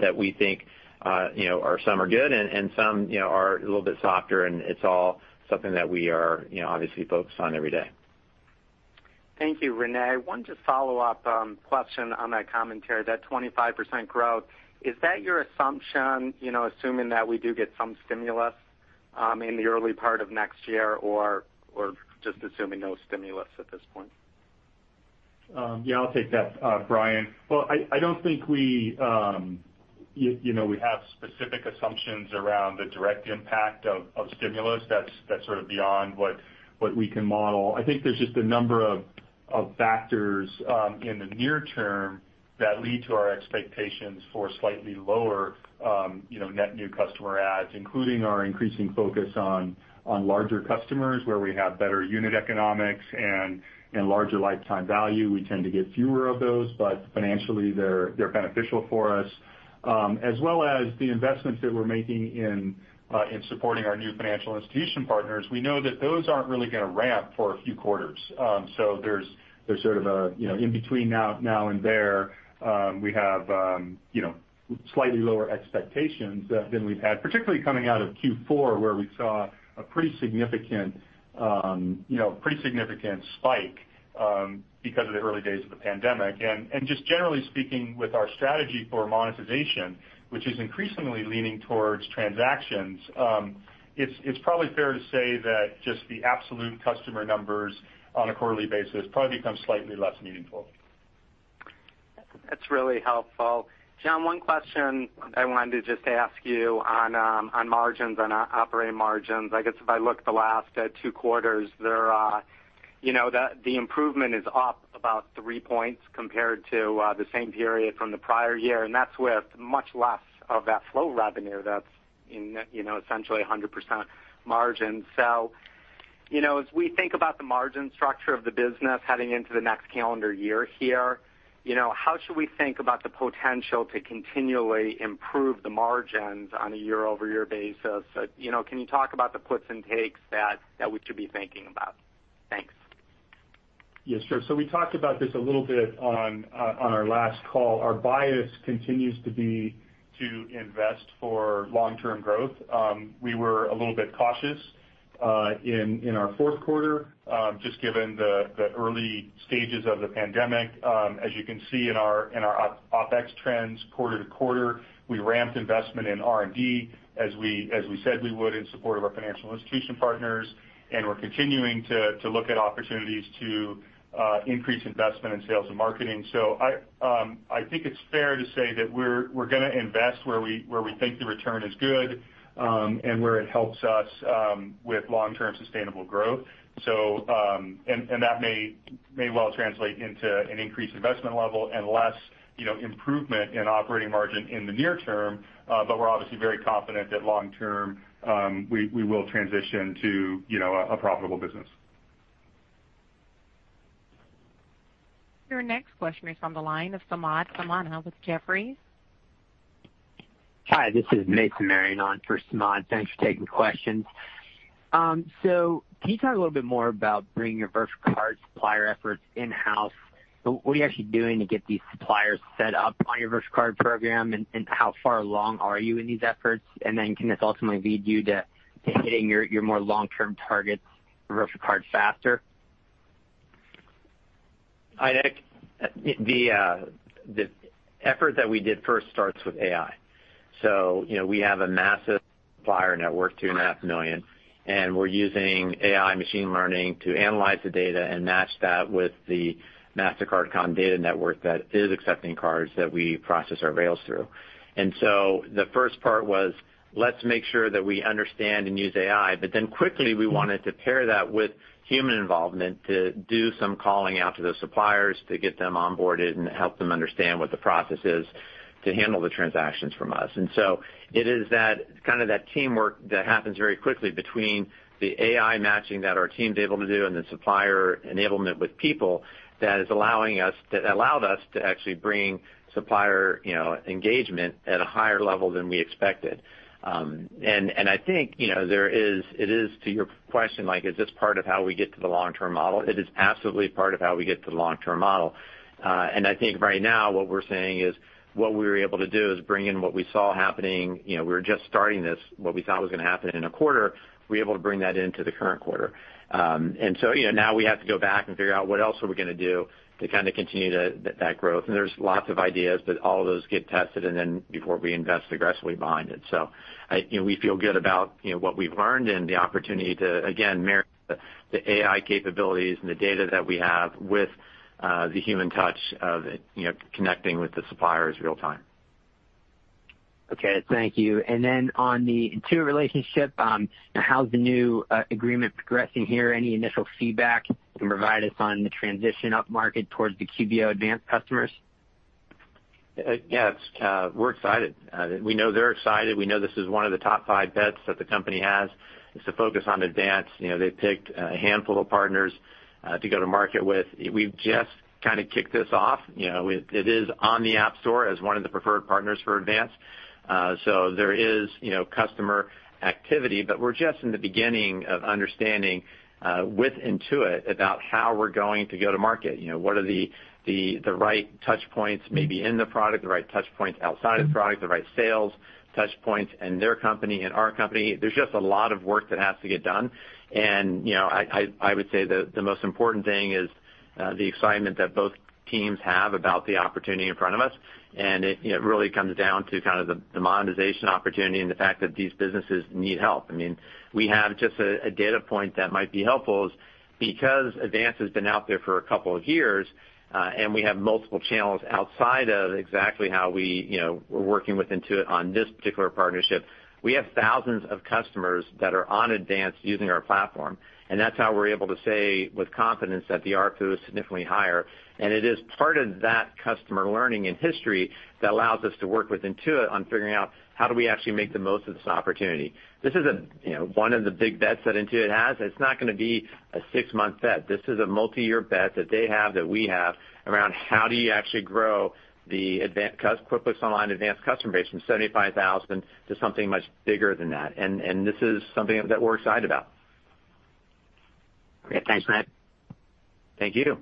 that we think some are good and some are a little bit softer, and it's all something that we are obviously focused on every day. Thank you. René, I wanted to follow up on question on that commentary, that 25% growth. Is that your assumption assuming that we do get some stimulus in the early part of next year or just assuming no stimulus at this point? Yeah, I'll take that, Brian. Well, I don't think we have specific assumptions around the direct impact of stimulus. That's sort of beyond what we can model. I think there's just a number of factors in the near term that lead to our expectations for slightly lower net new customer adds, including our increasing focus on larger customers where we have better unit economics and larger lifetime value. We tend to get fewer of those. Financially they're beneficial for us. As well as the investments that we're making in supporting our new financial institution partners. We know that those aren't really going to ramp for a few quarters. There's sort of a in between now and there. We have slightly lower expectations than we've had, particularly coming out of Q4, where we saw a pretty significant spike because of the early days of the pandemic. Just generally speaking, with our strategy for monetization, which is increasingly leaning towards transactions, it is probably fair to say that just the absolute customer numbers on a quarterly basis probably become slightly less meaningful. That's really helpful. John, one question I wanted to just ask you on margins, on operating margins. I guess if I look at the last two quarters, the improvement is up about three points compared to the same period from the prior year, and that's with much less of that float revenue that's essentially 100% margin. As we think about the margin structure of the business heading into the next calendar year here, how should we think about the potential to continually improve the margins on a year-over-year basis? Can you talk about the puts and takes that we should be thinking about? Thanks. Yeah, sure. We talked about this a little bit on our last call. Our bias continues to be to invest for long-term growth. We were a little bit cautious in our fourth quarter just given the early stages of the pandemic. As you can see in our OpEx trends quarter to quarter, we ramped investment in R&D as we said we would in support of our financial institution partners, and we're continuing to look at opportunities to increase investment in sales and marketing. I think it's fair to say that we're going to invest where we think the return is good, and where it helps us with long-term sustainable growth. That may well translate into an increased investment level and less improvement in operating margin in the near term. We're obviously very confident that long term, we will transition to a profitable business. Your next question is on the line of Samad Samana with Jefferies. Hi, this is Mason Marion on for Samad. Thanks for taking the questions. Can you talk a little bit more about bringing your virtual card supplier efforts in-house? What are you actually doing to get these suppliers set up on your virtual card program, and how far along are you in these efforts? Can this ultimately lead you to hitting your more long-term targets for virtual card faster? I think the effort that we did first starts with AI. We have a massive buyer network, 2.5 million, we're using AI machine learning to analyze the data and match that with the Mastercard data network that is accepting cards that we process our rails through. The first part was, let's make sure that we understand and use AI, quickly we wanted to pair that with human involvement to do some calling out to those suppliers to get them onboarded and help them understand what the process is to handle the transactions from us. It is that kind of teamwork that happens very quickly between the AI matching that our team's able to do and the supplier enablement with people that allowed us to actually bring supplier engagement at a higher level than we expected. I think, to your question, like, is this part of how we get to the long-term model? It is absolutely part of how we get to the long-term model. I think right now what we're saying is, what we were able to do is bring in what we saw happening. We were just starting this, what we thought was going to happen in a quarter, we were able to bring that into the current quarter. Now we have to go back and figure out what else are we going to do to kind of continue that growth. There's lots of ideas, but all of those get tested and then before we invest aggressively behind it. We feel good about what we've learned and the opportunity to, again, marry the AI capabilities and the data that we have with the human touch of connecting with the suppliers real-time. Okay. Thank you. On the Intuit relationship, how's the new agreement progressing here? Any initial feedback you can provide us on the transition upmarket towards the QBO Advanced customers? Yes. We're excited. We know they're excited. We know this is one of the top five bets that the company has, is to focus on QuickBooks Online Advanced. They picked a handful of partners to go to market with. We've just kind of kicked this off. It is on the App Store as one of the preferred partners for QuickBooks Online Advanced. There is customer activity, but we're just in the beginning of understanding, with Intuit about how we're going to go to market. What are the right touch points maybe in the product, the right touch points outside of the product, the right sales touch points in their company and our company. There's just a lot of work that has to get done. I would say the most important thing is the excitement that both teams have about the opportunity in front of us. It really comes down to kind of the monetization opportunity and the fact that these businesses need help. I mean, we have just a data point that might be helpful is because Advanced has been out there for a couple of years, and we have multiple channels outside of exactly how we're working with Intuit on this particular partnership. We have thousands of customers that are on Advanced using our platform, and that's how we're able to say with confidence that the ARPU is significantly higher. It is part of that customer learning and history that allows us to work with Intuit on figuring out how do we actually make the most of this opportunity. This is one of the big bets that Intuit has. It's not going to be a six-month bet. This is a multi-year bet that they have, that we have around how do you actually grow the QuickBooks Online Advanced customer base from 75,000 to something much bigger than that. This is something that we're excited about. Great. Thanks, mate. Thank you.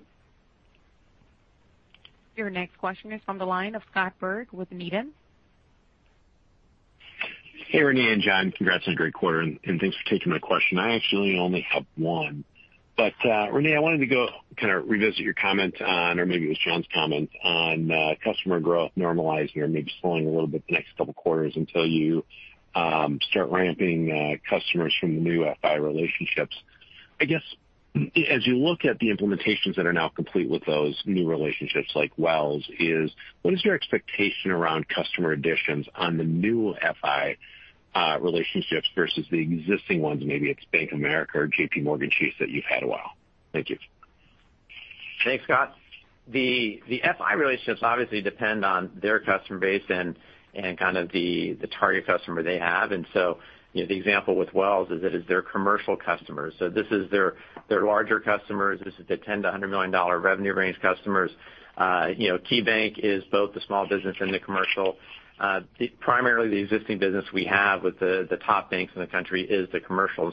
Your next question is from the line of Scott Berg with Needham. Hey, René and John. Congrats on a great quarter, and thanks for taking my question. I actually only have one. René, I wanted to go kind of revisit your comment on, or maybe it was John's comment on customer growth normalizing or maybe slowing a little bit the next couple of quarters until you start ramping customers from the new FI relationships. I guess, as you look at the implementations that are now complete with those new relationships like Wells, what is your expectation around customer additions on the new FI relationships versus the existing ones? Maybe it's Bank of America or JPMorgan Chase that you've had a while. Thank you. Hey, Scott. The FI relationships obviously depend on their customer base and kind of the target customer they have. The example with Wells is that it's their commercial customers. This is their larger customers. This is the $10 million-$100 million revenue range customers. KeyBank is both the small business and the commercial. Primarily the existing business we have with the top banks in the country is the commercial.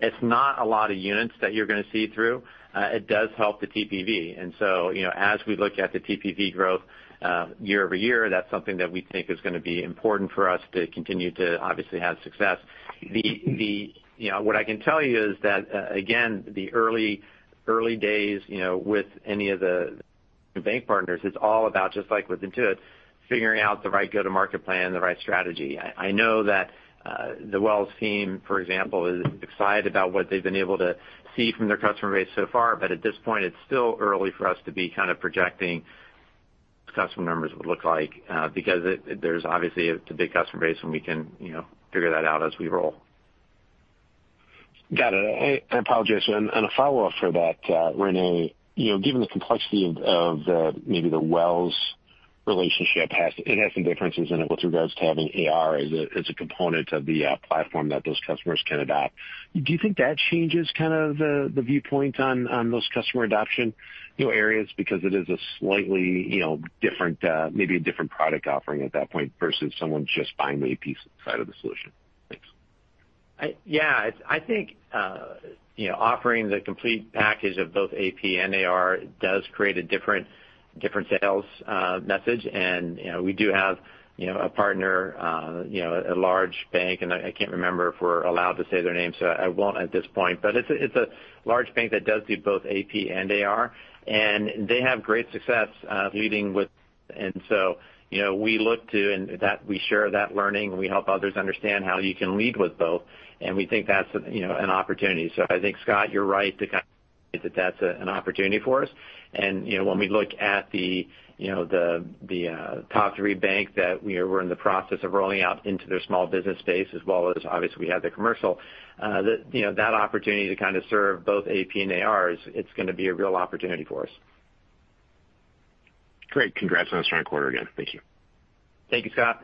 It's not a lot of units that you're going to see through. It does help the TPV. As we look at the TPV growth year-over-year, that's something that we think is going to be important for us to continue to obviously have success. What I can tell you is that, again, the early days with any of the bank partners, it is all about just like with Intuit, figuring out the right go-to-market plan, the right strategy. I know that the Wells team, for example, is excited about what they have been able to see from their customer base so far. At this point, it is still early for us to be kind of projecting what the customer numbers would look like because there is obviously a big customer base, and we can figure that out as we roll. Got it. I apologize. A follow-up for that, René. Given the complexity of maybe the Wells relationship, it has some differences in it with regards to having AR as a component of the platform that those customers can adopt. Do you think that changes kind of the viewpoint on those customer adoption areas because it is a slightly maybe a different product offering at that point versus someone just buying the AP side of the solution? Thanks. I think offering the complete package of both AP and AR does create a different sales message. We do have a partner, a large bank, and I can't remember if we're allowed to say their name, so I won't at this point, but it's a large bank that does do both AP and AR, and they have great success. We look to and we share that learning and we help others understand how you can lead with both, and we think that's an opportunity. I think, Scott, you're right that that's an opportunity for us. When we look at the top three banks that we're in the process of rolling out into their small business space, as well as obviously we have the commercial, that opportunity to kind of serve both AP and AR, it's going to be a real opportunity for us. Great. Congrats on a strong quarter again. Thank you. Thank you, Scott.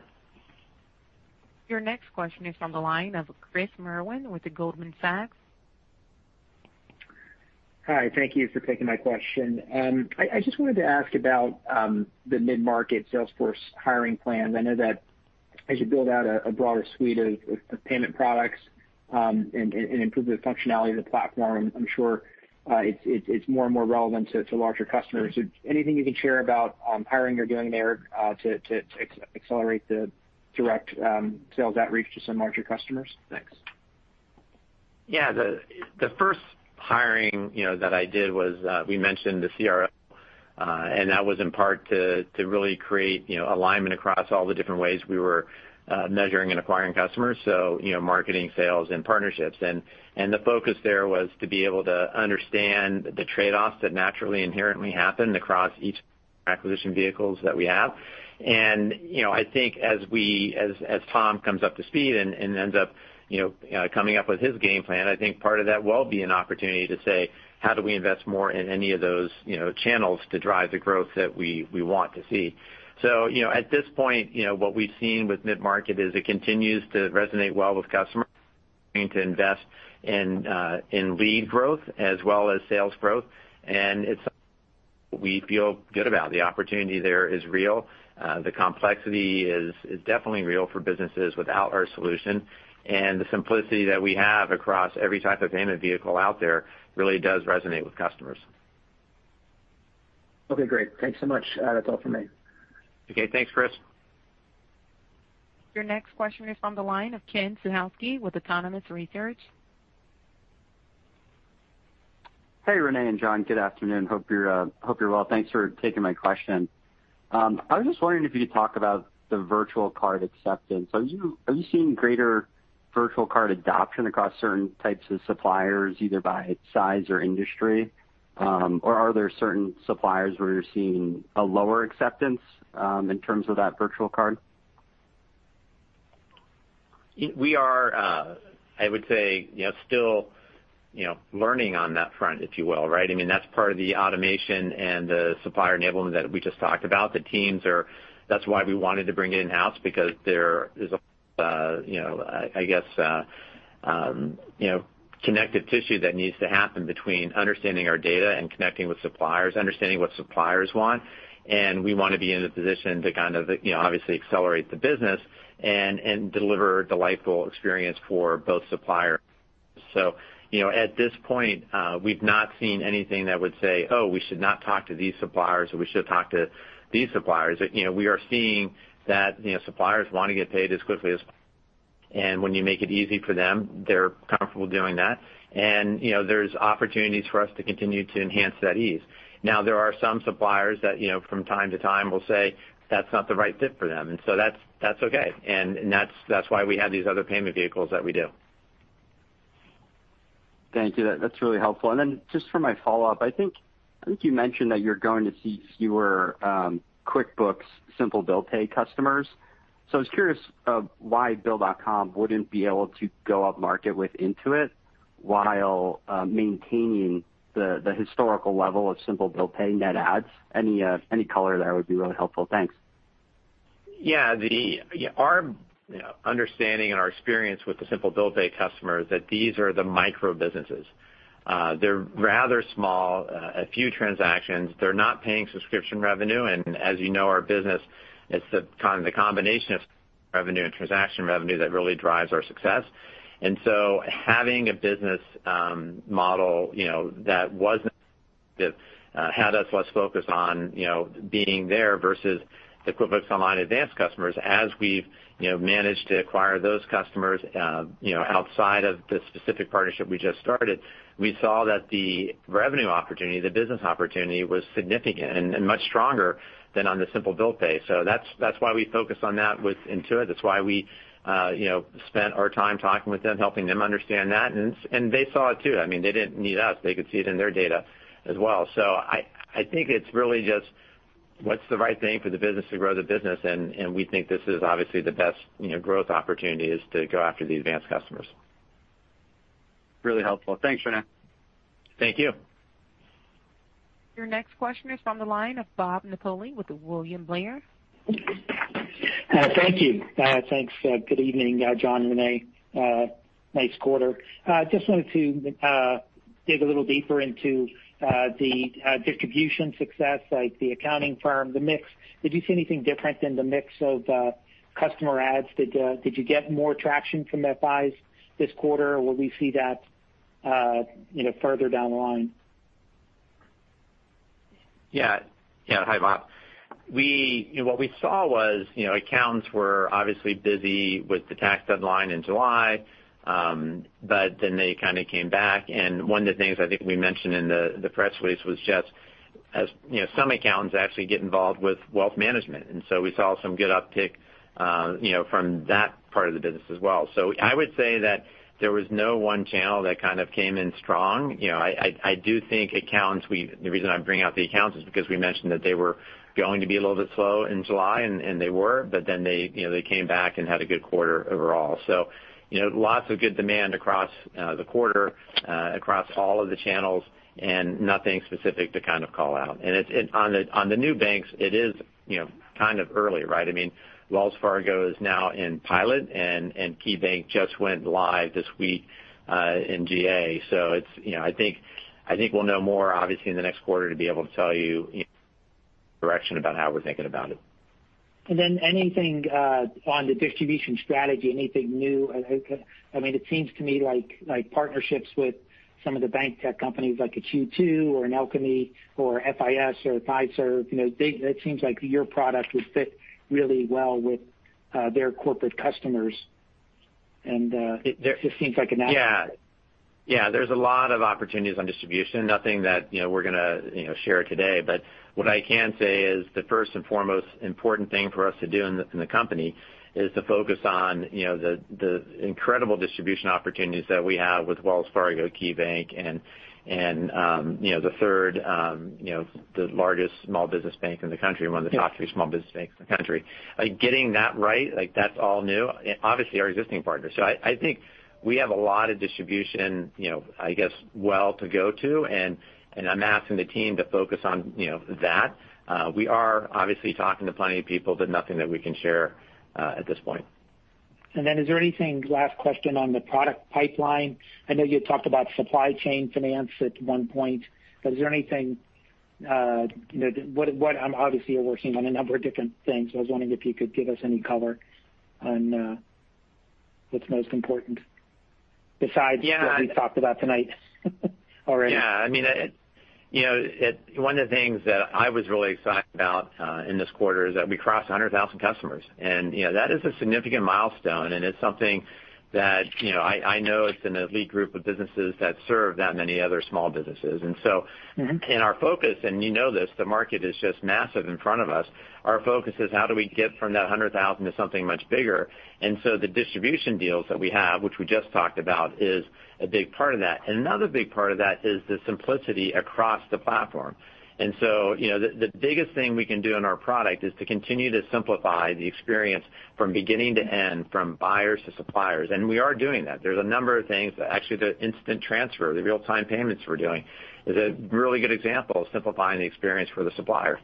Your next question is from the line of Chris Merwin with the Goldman Sachs. Hi. Thank you for taking my question. I just wanted to ask about the mid-market sales force hiring plans. I know that as you build out a broader suite of payment products and improve the functionality of the platform, I'm sure it's more and more relevant to larger customers. Anything you can share about hiring you're doing there to accelerate the direct sales outreach to some larger customers? Thanks. Yeah. The first hiring that I did was, we mentioned the CRO, and that was in part to really create alignment across all the different ways we were measuring and acquiring customers. Marketing, sales, and partnerships. The focus there was to be able to understand the trade-offs that naturally inherently happen across each acquisition vehicles that we have. I think as Tom comes up to speed and ends up coming up with his game plan, I think part of that will be an opportunity to say, how do we invest more in any of those channels to drive the growth that we want to see? At this point, what we've seen with mid-market is it continues to resonate well with customers. We're going to invest in lead growth as well as sales growth. It's something we feel good about. The opportunity there is real. The complexity is definitely real for businesses without our solution. The simplicity that we have across every type of payment vehicle out there really does resonate with customers. Okay, great. Thanks so much. That's all for me. Okay. Thanks, Chris. Your next question is from the line of Ken Suchoski with Autonomous Research. Hey, René and John. Good afternoon. Hope you're well. Thanks for taking my question. I was just wondering if you could talk about the virtual card acceptance. Are you seeing greater virtual card adoption across certain types of suppliers, either by size or industry? Are there certain suppliers where you're seeing a lower acceptance in terms of that virtual card? We are, I would say, still learning on that front, if you will. That's part of the automation and the supplier enablement that we just talked about. That's why we wanted to bring it in-house, because there is, I guess, connective tissue that needs to happen between understanding our data and connecting with suppliers, understanding what suppliers want. We want to be in the position to obviously accelerate the business and deliver delightful experience for both suppliers. At this point, we've not seen anything that would say, "Oh, we should not talk to these suppliers," or "We should talk to these suppliers." We are seeing that suppliers want to get paid as quickly as and when you make it easy for them, they're comfortable doing that. There's opportunities for us to continue to enhance that ease. There are some suppliers that from time to time will say that's not the right fit for them, that's okay. That's why we have these other payment vehicles that we do. Thank you. That's really helpful. Just for my follow-up, I think you mentioned that you're going to see fewer QuickBooks Simple Bill Pay customers. I was curious why Bill.com wouldn't be able to go up market with Intuit while maintaining the historical level of Simple Bill Pay net adds. Any color there would be really helpful. Thanks. Yeah. Our understanding and our experience with the Simple Bill Pay customers, that these are the micro businesses. They're rather small, a few transactions. They're not paying subscription revenue. As you know, our business, it's the combination of revenue and transaction revenue that really drives our success. Having a business model that wasn't had us less focused on being there versus the QuickBooks Online Advanced customers. As we've managed to acquire those customers outside of the specific partnership we just started, we saw that the revenue opportunity, the business opportunity was significant and much stronger than on the Simple Bill Pay. That's why we focus on that with Intuit. That's why we spent our time talking with them, helping them understand that. They saw it too. They didn't need us. They could see it in their data as well. I think it's really just, what's the right thing for the business to grow the business, and we think this is obviously the best growth opportunity is to go after the advanced customers. Really helpful. Thanks, René. Thank you. Your next question is from the line of Bob Napoli with William Blair. Thank you. Thanks. Good evening, John, René. Nice quarter. Wanted to dig a little deeper into the distribution success, like the accounting firm, the mix. Did you see anything different in the mix of customer adds? Did you get more traction from FIs this quarter, or will we see that further down the line? Yeah. Hi, Bob. What we saw was accountants were obviously busy with the tax deadline in July, but then they came back, and one of the things I think we mentioned in the press release was just as some accountants actually get involved with wealth management. I would say that there was no one channel that came in strong. I do think accountants, the reason I'm bringing up the accountants is because we mentioned that they were going to be a little bit slow in July, and they were, but then they came back and had a good quarter overall. Lots of good demand across the quarter, across all of the channels, and nothing specific to call out. On the new banks, it is early, right? Wells Fargo is now in pilot, and KeyBank just went live this week in GA. I think we'll know more, obviously, in the next quarter to be able to tell you direction about how we're thinking about it. Anything on the distribution strategy, anything new? It seems to me like partnerships with some of the bank tech companies like a Q2 or an Alkami or FIS or Fiserv, that seems like your product would fit really well with their corporate customers. It just seems like a natural fit. Yeah. There's a lot of opportunities on distribution. What I can say is the first and foremost important thing for us to do in the company is to focus on the incredible distribution opportunities that we have with Wells Fargo, KeyBank, and the third largest small business bank in the country, one of the top three small business banks in the country. Getting that right, that's all new. Obviously our existing partners. I think we have a lot of distribution well to go to, and I'm asking the team to focus on that. We are obviously talking to plenty of people, but nothing that we can share at this point. Is there anything, last question on the product pipeline. I know you talked about supply chain finance at one point. Obviously, you're working on a number of different things. I was wondering if you could give us any color on what's most important besides what we talked about tonight already. Yeah. One of the things that I was really excited about in this quarter is that we crossed 100,000 customers. That is a significant milestone. It's something that I know it's an elite group of businesses that serve that many other small businesses. In our focus, and you know this, the market is just massive in front of us. Our focus is how do we get from that 100,000 to something much bigger? The distribution deals that we have, which we just talked about, is a big part of that. Another big part of that is the simplicity across the platform. The biggest thing we can do on our product is to continue to simplify the experience from beginning to end, from buyers to suppliers. We are doing that. There's a number of things. Actually, the Instant Transfer, the real-time payments we're doing is a really good example of simplifying the experience for the supplier.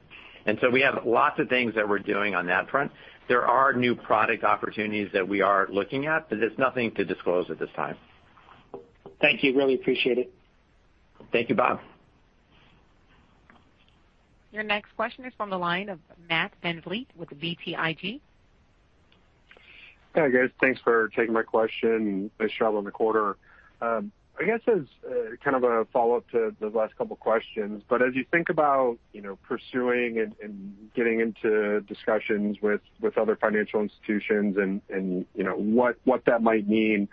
We have lots of things that we're doing on that front. There are new product opportunities that we are looking at, but there's nothing to disclose at this time. Thank you. Really appreciate it. Thank you, Bob. Your next question is from the line of Matt VanVliet with BTIG. Hi, guys. Thanks for taking my question, and nice job on the quarter. I guess as kind of a follow-up to the last couple questions, as you think about pursuing and getting into discussions with other financial institutions and what that might mean,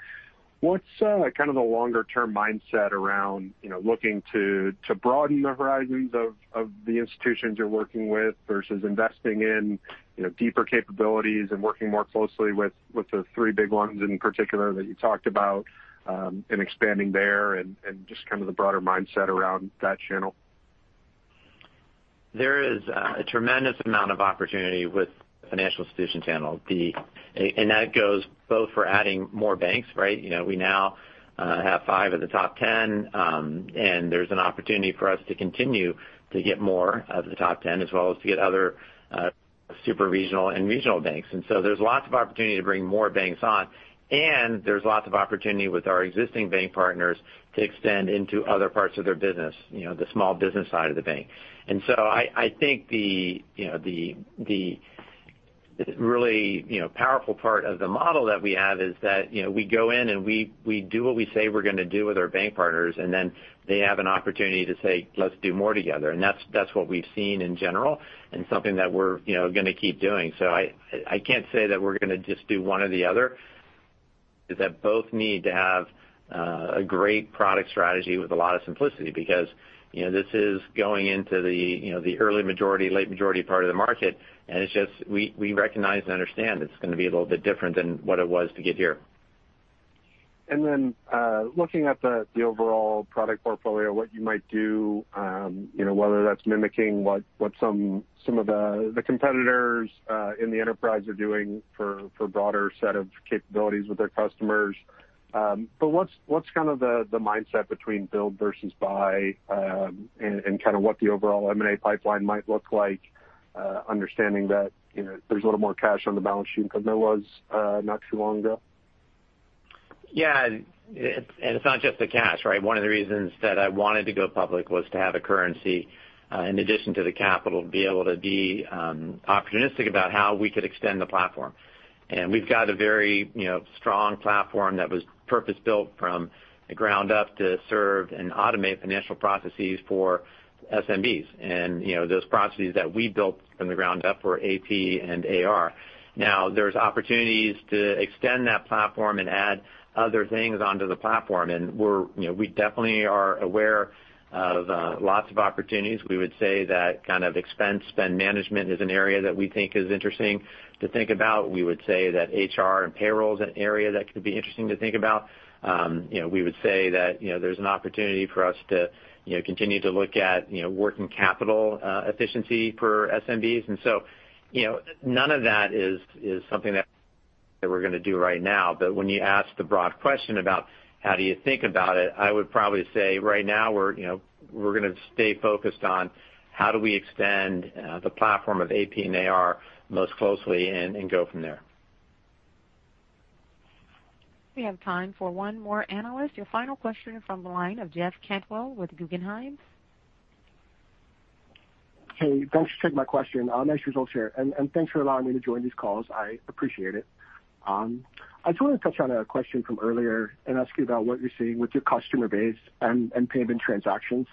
what's the longer-term mindset around looking to broaden the horizons of the institutions you're working with versus investing in deeper capabilities and working more closely with the three big ones in particular that you talked about, and expanding there and just kind of the broader mindset around that channel? There is a tremendous amount of opportunity with financial institution channels. That goes both for adding more banks, right? We now have five of the top 10, and there's an opportunity for us to continue to get more of the top 10, as well as to get other super regional and regional banks. There's lots of opportunity to bring more banks on, and there's lots of opportunity with our existing bank partners to extend into other parts of their business, the small business side of the bank. I think the really powerful part of the model that we have is that we go in, and we do what we say we're going to do with our bank partners, and then they have an opportunity to say, "Let's do more together." That's what we've seen in general and something that we're going to keep doing. I can't say that we're going to just do one or the other, is that both need to have a great product strategy with a lot of simplicity because this is going into the early majority, late majority part of the market, and we recognize and understand it's going to be a little bit different than what it was to get here. Looking at the overall product portfolio, what you might do whether that's mimicking what some of the competitors in the enterprise are doing for broader set of capabilities with their customers. What's the mindset between build versus buy, and what the overall M&A pipeline might look like understanding that there's a little more cash on the balance sheet than there was not too long ago? Yeah. It's not just the cash, right? One of the reasons that I wanted to go public was to have a currency, in addition to the capital, to be able to be opportunistic about how we could extend the platform. We've got a very strong platform that was purpose-built from the ground up to serve and automate financial processes for SMBs. Those processes that we built from the ground up were AP and AR. Now, there's opportunities to extend that platform and add other things onto the platform, and we definitely are aware of lots of opportunities. We would say that kind of expense spend management is an area that we think is interesting to think about. We would say that HR and payroll is an area that could be interesting to think about. We would say that there's an opportunity for us to continue to look at working capital efficiency for SMBs. None of that is something that we're going to do right now. When you ask the broad question about how do you think about it, I would probably say right now we're going to stay focused on how do we extend the platform of AP and AR most closely and go from there. We have time for one more analyst. Your final question from the line of Jeff Cantwell with Guggenheim. Hey, thanks for taking my question. Nice results here, and thanks for allowing me to join these calls. I appreciate it. I just wanted to touch on a question from earlier and ask you about what you're seeing with your customer base and payment transactions.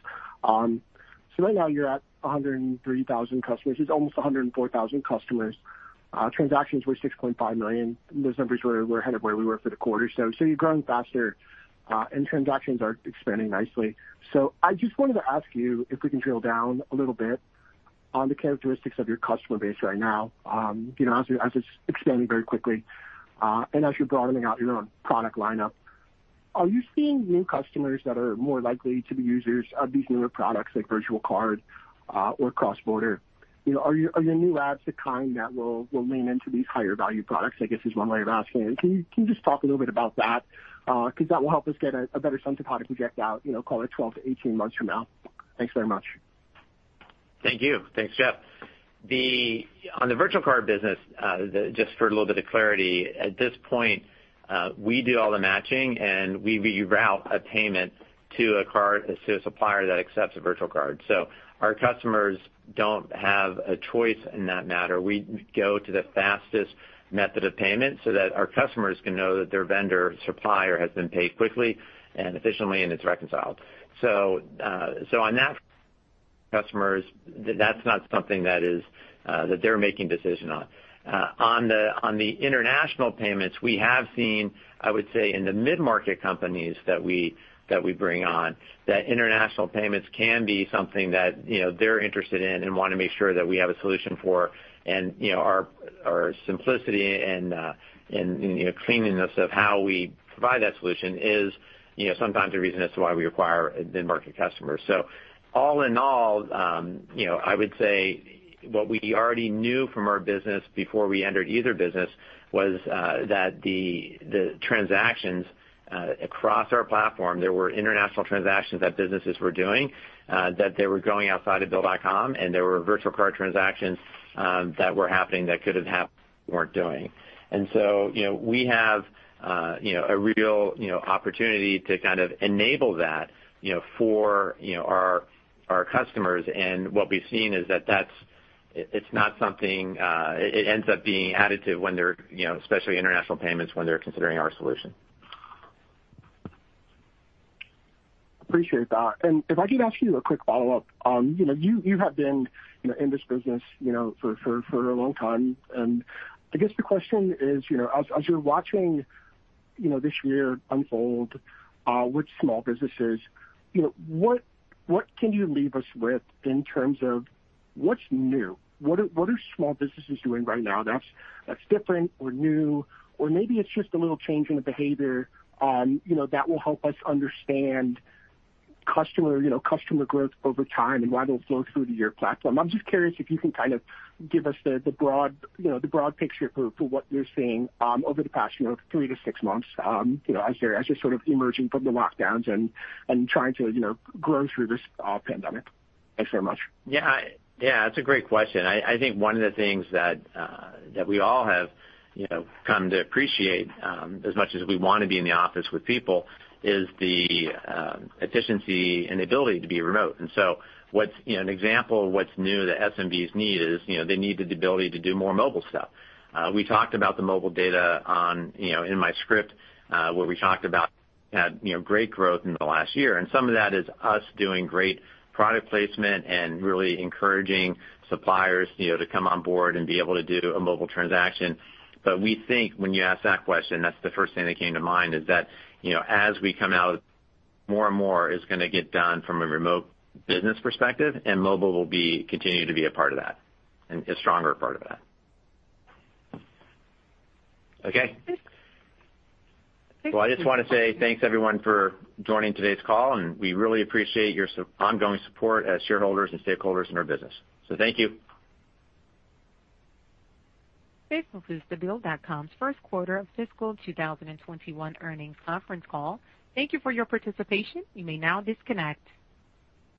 Right now you're at 103,000 customers. It's almost 104,000 customers. Transactions were 6.5 million. Those numbers were ahead of where we were for the quarter. You're growing faster, and transactions are expanding nicely. I just wanted to ask you if we can drill down a little bit on the characteristics of your customer base right now. As it's expanding very quickly, and as you're broadening out your own product lineup, are you seeing new customers that are more likely to be users of these newer products, like virtual card, or cross-border? Are your new adds the kind that will lean into these higher value products, I guess is one way of asking. Can you just talk a little bit about that? That will help us get a better sense of how to project out, call it 12-18 months from now. Thanks very much. Thank you. Thanks, Jeff. On the virtual card business, just for a little bit of clarity, at this point, we do all the matching, and we route a payment to a supplier that accepts a virtual card. Our customers don't have a choice in that matter. We go to the fastest method of payment so that our customers can know that their vendor supplier has been paid quickly and efficiently and it's reconciled. On that customers, that's not something that they're making decision on. On the international payments, we have seen, I would say, in the mid-market companies that we bring on, that international payments can be something that they're interested in and want to make sure that we have a solution for. Our simplicity and cleanliness of how we provide that solution is sometimes the reason as to why we acquire mid-market customers. All in all, I would say what we already knew from our business before we entered either business was that the transactions across our platform, there were international transactions that businesses were doing, that they were going outside of Bill.com, and there were virtual card transactions that were happening that could have happened we're doing. We have a real opportunity to kind of enable that for our customers. What we've seen is that it ends up being additive, especially international payments, when they're considering our solution. Appreciate that. If I could ask you a quick follow-up. You have been in this business for a long time. I guess the question is, as you're watching this year unfold with small businesses, what can you leave us with in terms of what's new? What are small businesses doing right now that's different or new? Maybe it's just a little change in the behavior that will help us understand customer growth over time and why they'll flow through to your platform. I'm just curious if you can kind of give us the broad picture for what you're seeing over the past three to six months as you're sort of emerging from the lockdowns and trying to grow through this pandemic. Thanks very much. Yeah. It's a great question. I think one of the things that we all have come to appreciate, as much as we want to be in the office with people, is the efficiency and the ability to be remote. An example of what's new that SMBs need is they need the ability to do more mobile stuff. We talked about the mobile data in my script, where we talked about great growth in the last year, and some of that is us doing great product placement and really encouraging suppliers to come on board and be able to do a mobile transaction. We think when you ask that question, that's the first thing that came to mind, is that, as we come out, more and more is going to get done from a remote business perspective, and mobile will continue to be a part of that, and a stronger part of that. Okay. Thanks. Well, I just want to say thanks everyone for joining today's call. We really appreciate your ongoing support as shareholders and stakeholders in our business. Thank you. This concludes the Bill.com's first quarter of fiscal 2021 earnings conference call. Thank you for your participation. You may now disconnect.